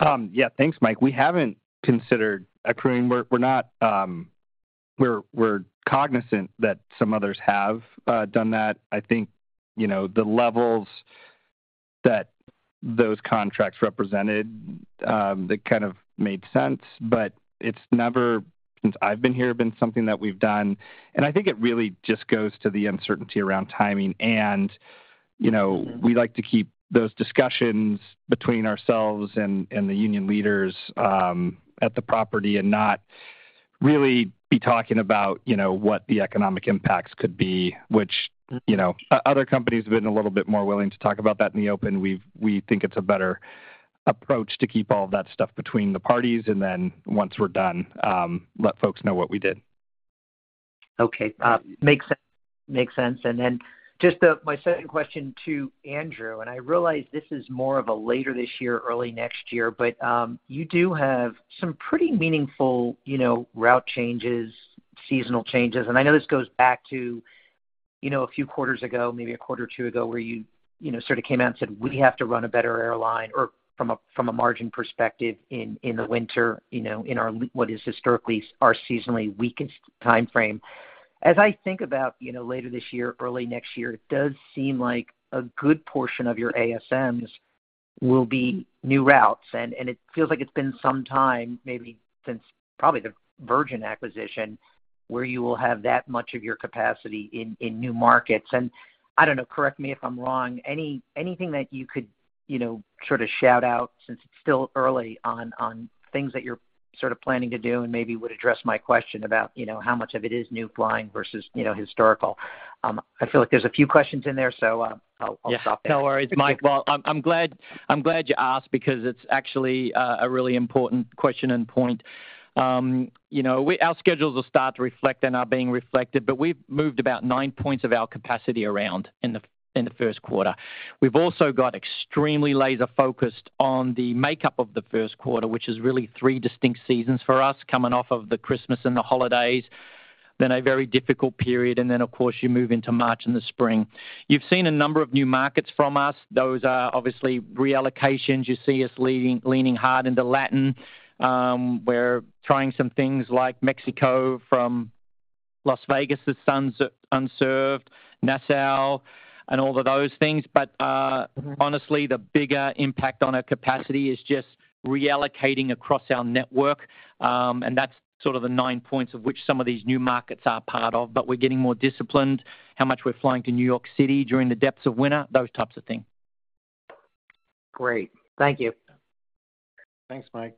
Yeah. Thanks, Mike. We haven't considered accruing. We're not. We're cognizant that some others have done that. I think, you know, the levels that those contracts represented, they kind of made sense, but it's never, since I've been here, been something that we've done, and I think it really just goes to the uncertainty around timing. You know, we like to keep those discussions between ourselves and the union leaders at the property and not really be talking about, you know, what the economic impacts could be, which, you know, other companies have been a little bit more willing to talk about that in the open. We think it's a better approach to keep all of that stuff between the parties, and then once we're done, let folks know what we did. Okay. Makes sense. Makes sense. Just my second question to Andrew, I realize this is more of a later this year, early next year, but you do have some pretty meaningful, you know, route changes, seasonal changes. I know this goes back you know, a few quarters ago, maybe a quarter or two ago, where you know, sort of came out and said, We have to run a better airline or from a, from a margin perspective in the winter, you know, in our, what is historically our seasonally weakest time frame. As I think about, you know, later this year, early next year, it does seem like a good portion of your ASMs will be new routes, and it feels like it's been some time, maybe since probably the Virgin acquisition, where you will have that much of your capacity in new markets. I don't know, correct me if I'm wrong, anything that you could, you know, sort of shout out, since it's still early on things that you're sort of planning to do and maybe would address my question about, you know, how much of it is new flying versus, you know, historical? I feel like there's a few questions in there, I'll stop there. Yeah. No worries, Mike. Well, I'm glad you asked, because it's actually a really important question and point. you know, our schedules will start to reflect and are being reflected, but we've moved about nine points of our capacity around in the first quarter. We've also got extremely laser-focused on the makeup of the first quarter, which is really three distinct seasons for us, coming off of the Christmas and the holidays, then a very difficult period, and then, of course, you move into March and the spring. You've seen a number of new markets from us. Those are obviously reallocations. You see us leaning hard into Latin. We're trying some things like Mexico from Las Vegas, the unserved, Nassau, and all of those things. Honestly, the bigger impact on our capacity is just reallocating across our network. That's sort of the nine points of which some of these new markets are part of, but we're getting more disciplined, how much we're flying to New York City during the depths of winter, those types of things. Great. Thank you. Thanks, Mike.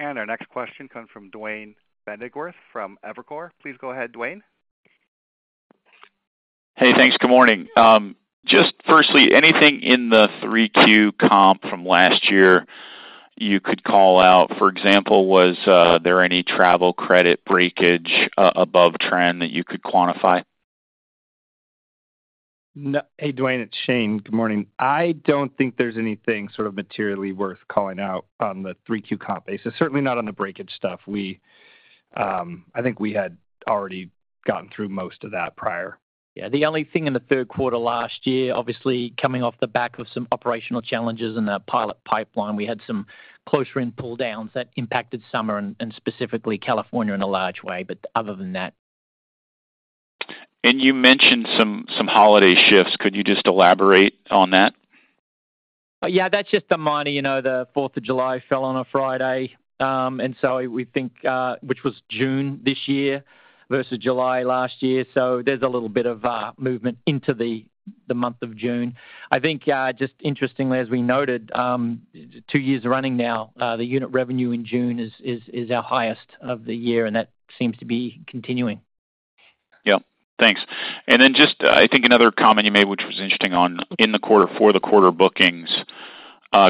Our next question comes from Duane Pfennigwerth from Evercore. Please go ahead, Duane. Hey, thanks. Good morning. Just firstly, anything in the 3Q comp from last year you could call out? For example, was there any travel credit breakage above trend that you could quantify? Hey, Duane, it's Shane. Good morning. I don't think there's anything sort of materially worth calling out on the 3Q comp basis, certainly not on the breakage stuff. We, I think we had already gotten through most of that prior. The only thing in the third quarter last year, obviously coming off the back of some operational challenges in our pilot pipeline, we had some closure in pulldowns that impacted summer and specifically California in a large way. Other than that. You mentioned some holiday shifts. Could you just elaborate on that? That's just a minor, you know, the 4th of July fell on a Friday, we think, which was June this year versus July last year, so there's a little bit of movement into the month of June. I think, just interestingly, as we noted, two years running now, the unit revenue in June is our highest of the year, and that seems to be continuing. Yep. Thanks. Just, I think another comment you made, which was interesting, on in the quarter for the quarter bookings.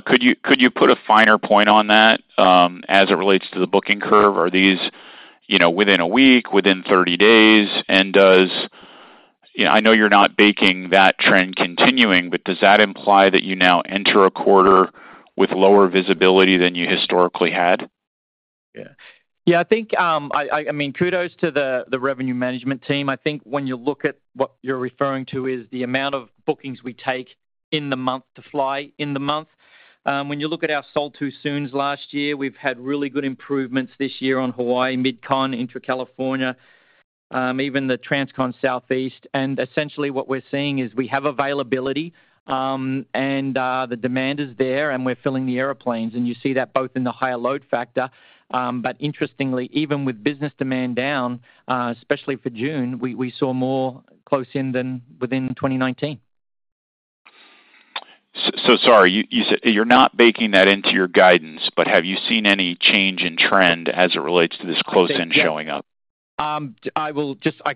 Could you, could you put a finer point on that, as it relates to the booking curve? Are these, you know, within a week, within 30 days? I know you're not baking that trend continuing, but does that imply that you now enter a quarter with lower visibility than you historically had? Yeah. Yeah, I mean, kudos to the revenue management team. I think when you look at what you're referring to is the amount of bookings we take in the month to fly in the month. When you look at our sold-too-soons last year, we've had really good improvements this year on Hawaii, MidCon, Intra-California, even the TransCon Southeast. Essentially, what we're seeing is we have availability, and the demand is there, and we're filling the airplanes. You see that both in the higher load factor, but interestingly, even with business demand down, especially for June, we saw more close in than within 2019. Sorry, you said you're not baking that into your guidance, but have you seen any change in trend as it relates to this close-in showing up? I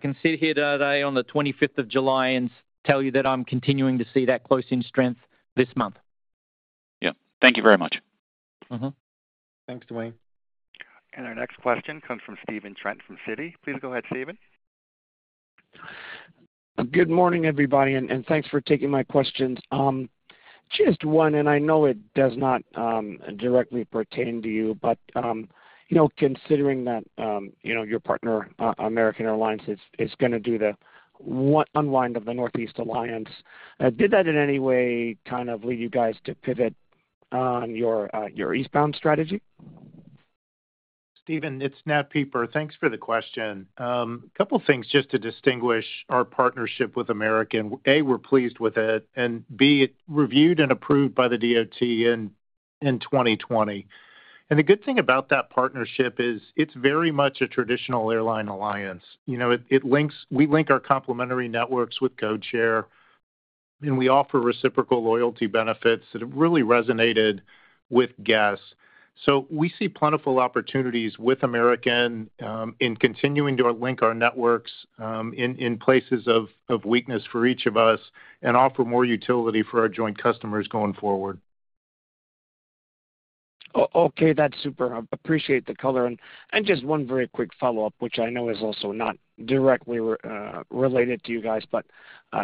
can sit here [today] on the 25th of July and tell you that I'm continuing to see that close-in strength this month. Yep. Thank you very much. Mm-hmm. Thanks, Duane. Our next question comes from Steven Trent from Citi. Please go ahead, Steven. Good morning, everybody, and thanks for taking my questions. Just one, and I know it does not directly pertain to you, but, you know, considering that, you know, your partner, American Airlines, is gonna do the unwind of the Northeast Alliance, did that in any way kind of lead you guys to pivot on your eastbound strategy? Steven, it's Nat Pieper. Thanks for the question. A couple of things just to distinguish our partnership with American. A, we're pleased with it, and B, it reviewed and approved by the DOT in 2020. The good thing about that partnership is it's very much a traditional airline alliance. You know, we link our complementary networks with codeshare, and we offer reciprocal loyalty benefits that have really resonated with guests. We see plentiful opportunities with American, in continuing to link our networks, in places of weakness for each of us and offer more utility for our joint customers going forward. Okay, that's super. I appreciate the color. Just one very quick follow-up, which I know is also not directly related to you guys, but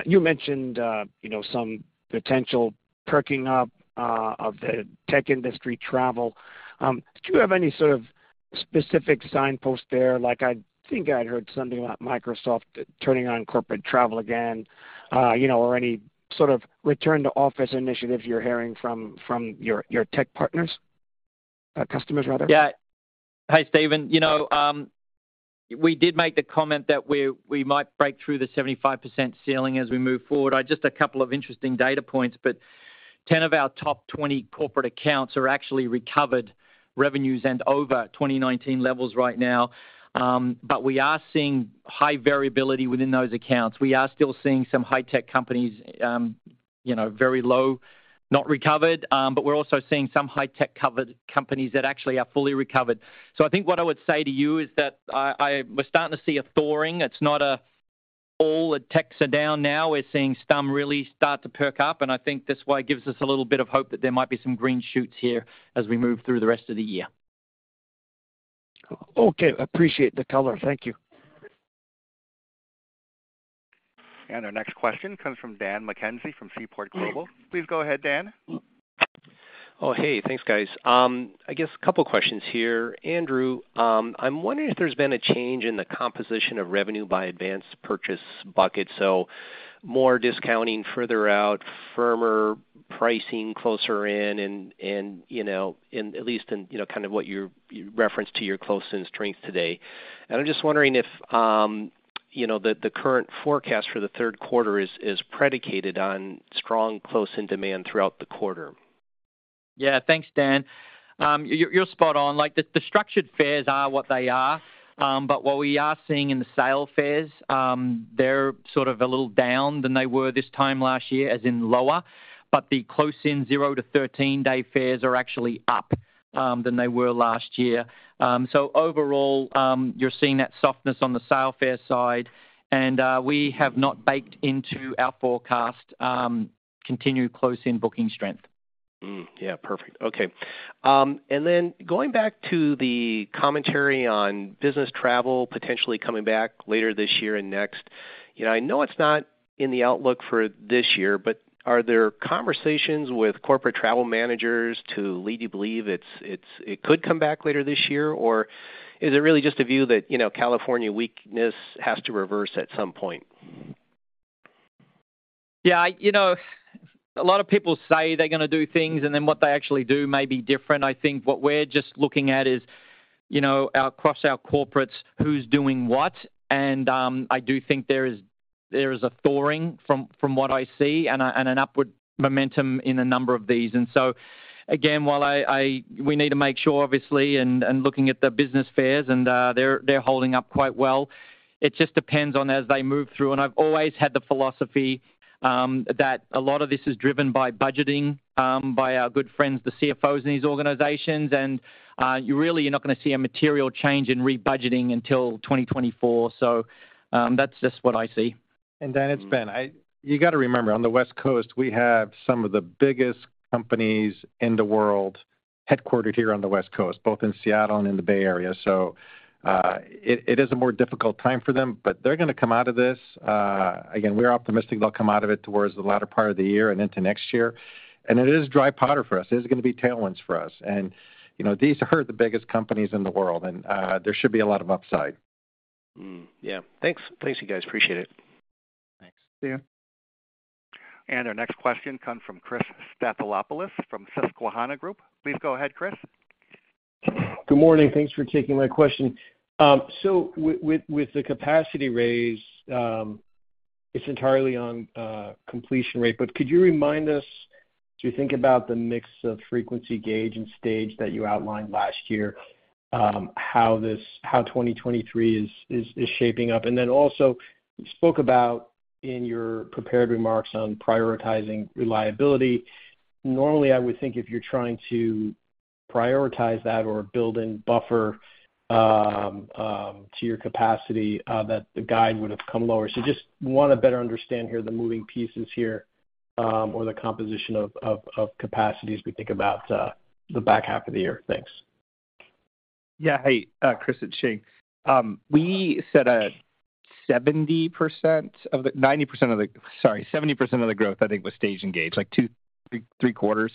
you mentioned, you know, some potential perking up of the tech industry travel. Do you have any sort of specific signpost there? Like, I think I'd heard something about Microsoft turning on corporate travel again, you know, or any sort of return-to-office initiatives you're hearing from your tech partners, customers rather? Yeah. Hey, Steven. You know, we did make the comment that we might break through the 75% ceiling as we move forward. Just a couple of interesting data points, 10 of our top 20 corporate accounts are actually recovered revenues and over 2019 levels right now. We are seeing high variability within those accounts. We are still seeing some high tech companies, you know, very low, not recovered, we're also seeing some high tech companies that actually are fully recovered. I think what I would say to you is that I we're starting to see a thawing. It's not a all the techs are down now. We're seeing some really start to perk up, and I think this why it gives us a little bit of hope that there might be some green shoots here as we move through the rest of the year. Okay, appreciate the color. Thank you. Our next question comes from Dan McKenzie, from Seaport Global. Please go ahead, Dan. Oh, hey, thanks, guys. I guess a couple questions here. Andrew, I'm wondering if there's been a change in the composition of revenue by advanced purchase bucket, so more discounting further out, firmer pricing closer in and at least in, you know, kind of what you referenced to your close-in strength today. I'm just wondering if, you know, the current forecast for the third quarter is predicated on strong close-in demand throughout the quarter? Yeah, thanks, Dan. You're spot on. Like, the structured fares are what they are, what we are seeing in the sale fares, they're sort of a little down than they were this time last year, as in lower, the close-in zero to 13-day fares are actually up than they were last year. Overall, you're seeing that softness on the sale fare side, and we have not baked into our forecast continued close-in booking strength. Yeah. Perfect. Okay, going back to the commentary on business travel potentially coming back later this year and next, you know, I know it's not in the outlook for this year, but are there conversations with corporate travel managers to lead you believe it could come back later this year? Or is it really just a view that, you know, California weakness has to reverse at some point? Yeah, you know, a lot of people say they're gonna do things, and then what they actually do may be different. I think what we're just looking at is, you know, across our corporates, who's doing what. I do think there is a thawing from what I see and an upward momentum in a number of these. Again, while we need to make sure, obviously, and looking at the business fares, they're holding up quite well. It just depends on as they move through. I've always had the philosophy that a lot of this is driven by budgeting by our good friends, the CFOs, in these organizations, you really are not gonna see a material change in rebudgeting until 2024. That's just what I see. It's Ben. You got to remember, on the West Coast, we have some of the biggest companies in the world headquartered here on the West Coast, both in Seattle and in the Bay Area. It is a more difficult time for them. They're gonna come out of this. Again, we're optimistic they'll come out of it towards the latter part of the year and into next year. It is dry powder for us. It is gonna be tailwinds for us, and, you know, these are the biggest companies in the world, and there should be a lot of upside. Mm-hmm. Yeah. Thanks. Thanks, you guys. Appreciate it. Thanks. Our next question comes from Chris Stathoulopoulos, from Susquehanna Group. Please go ahead, Chris. Good morning. Thanks for taking my question. So with the capacity raise, it's entirely on completion rate, but could you remind us, do you think about the mix of frequency, gauge, and stage that you outlined last year, how 2023 is shaping up? Also you spoke about in your prepared remarks on prioritizing reliability. Normally, I would think if you're trying to prioritize that or build in buffer to your capacity, that the guide would have come lower. Just want to better understand here the moving pieces here, or the composition of capacity as we think about the back half of the year. Thanks. Hey, Chris, it's Shane. We said a 70% of the growth, I think, was stage and gauge, like two, three quarters.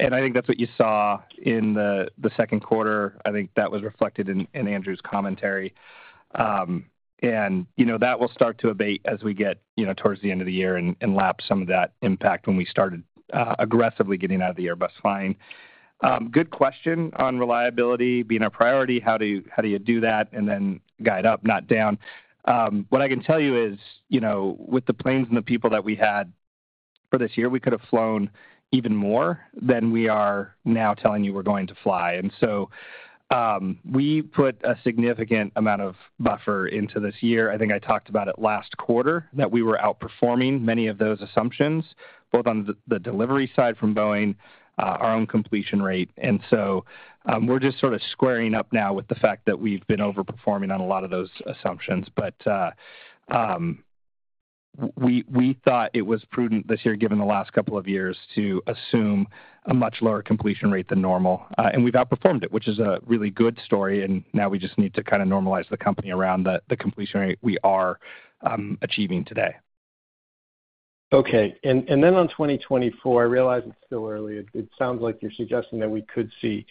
I think that's what you saw in the second quarter. I think that was reflected in Andrew's commentary. You know, that will start to abate as we get, you know, towards the end of the year and lap some of that impact when we started aggressively getting out of the Airbus flying. Good question on reliability being a priority. How do you do that and then guide up, not down? What I can tell you is, you know, with the planes and the people that we had for this year, we could have flown even more than we are now telling you we're going to fly. We put a significant amount of buffer into this year. I think I talked about it last quarter, that we were outperforming many of those assumptions, both on the delivery side from Boeing, our own completion rate. We're just sort of squaring up now with the fact that we've been overperforming on a lot of those assumptions. We thought it was prudent this year, given the last couple of years, to assume a much lower completion rate than normal. We've outperformed it, which is a really good story. Now we just need to kinda normalize the company around the completion rate we are achieving today. Okay, then on 2024, I realize it's still early. It sounds like you're suggesting that we could see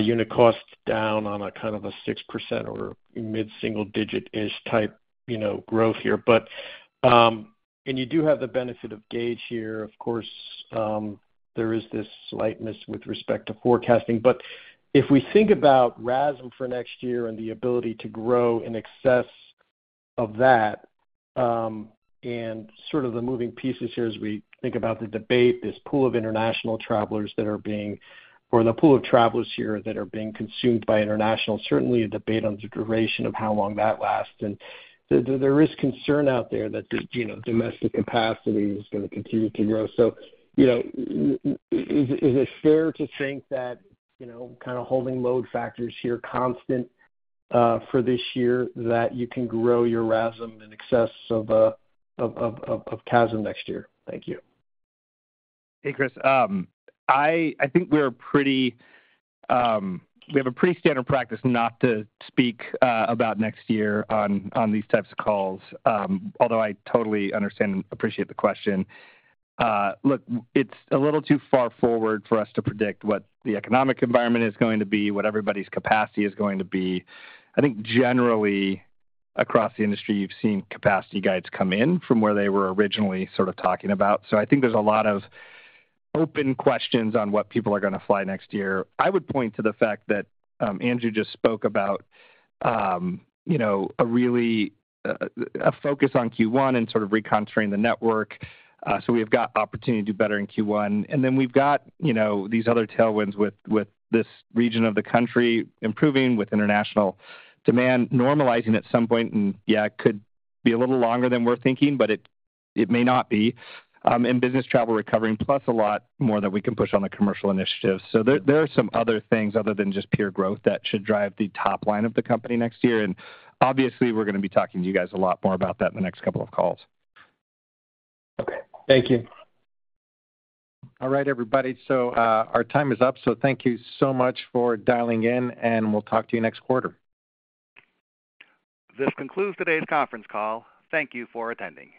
unit costs down on a kind of a 6% or mid-single digit-ish type, you know, growth here. You do have the benefit of gauge here, of course, there is this slightness with respect to forecasting. If we think about RASM for next year and the ability to grow in excess of that, and sort of the moving pieces here as we think about the debate, this pool of international travelers or the pool of travelers here that are being consumed by international, certainly a debate on the duration of how long that lasts. There is concern out there that the, you know, domestic capacity is gonna continue to grow. You know, is it fair to think that, you know, kind of holding load factors here constant for this year, that you can grow your RASM in excess of CASM next year? Thank you. Hey, Chris. We have a pretty standard practice not to speak about next year on these types of calls, although I totally understand and appreciate the question. Look, it's a little too far forward for us to predict what the economic environment is going to be, what everybody's capacity is going to be. I think generally across the industry, you've seen capacity guides come in from where they were originally sort of talking about. I think there's a lot of open questions on what people are gonna fly next year. I would point to the fact that Andrew just spoke about, you know, a really a focus on Q1 and sort of reconfiguring the network. We've got opportunity to do better in Q1. Then we've got, you know, these other tailwinds with this region of the country improving, with international demand normalizing at some point, yeah, it could be a little longer than we're thinking, but it may not be, and business travel recovering, plus a lot more that we can push on the commercial initiatives. There are some other things other than just pure growth that should drive the top line of the company next year. Obviously, we're gonna be talking to you guys a lot more about that in the next couple of calls. Okay. Thank you. Our time is up. Thank you so much for dialing in, and we'll talk to you next quarter. This concludes today's conference call. Thank you for attending.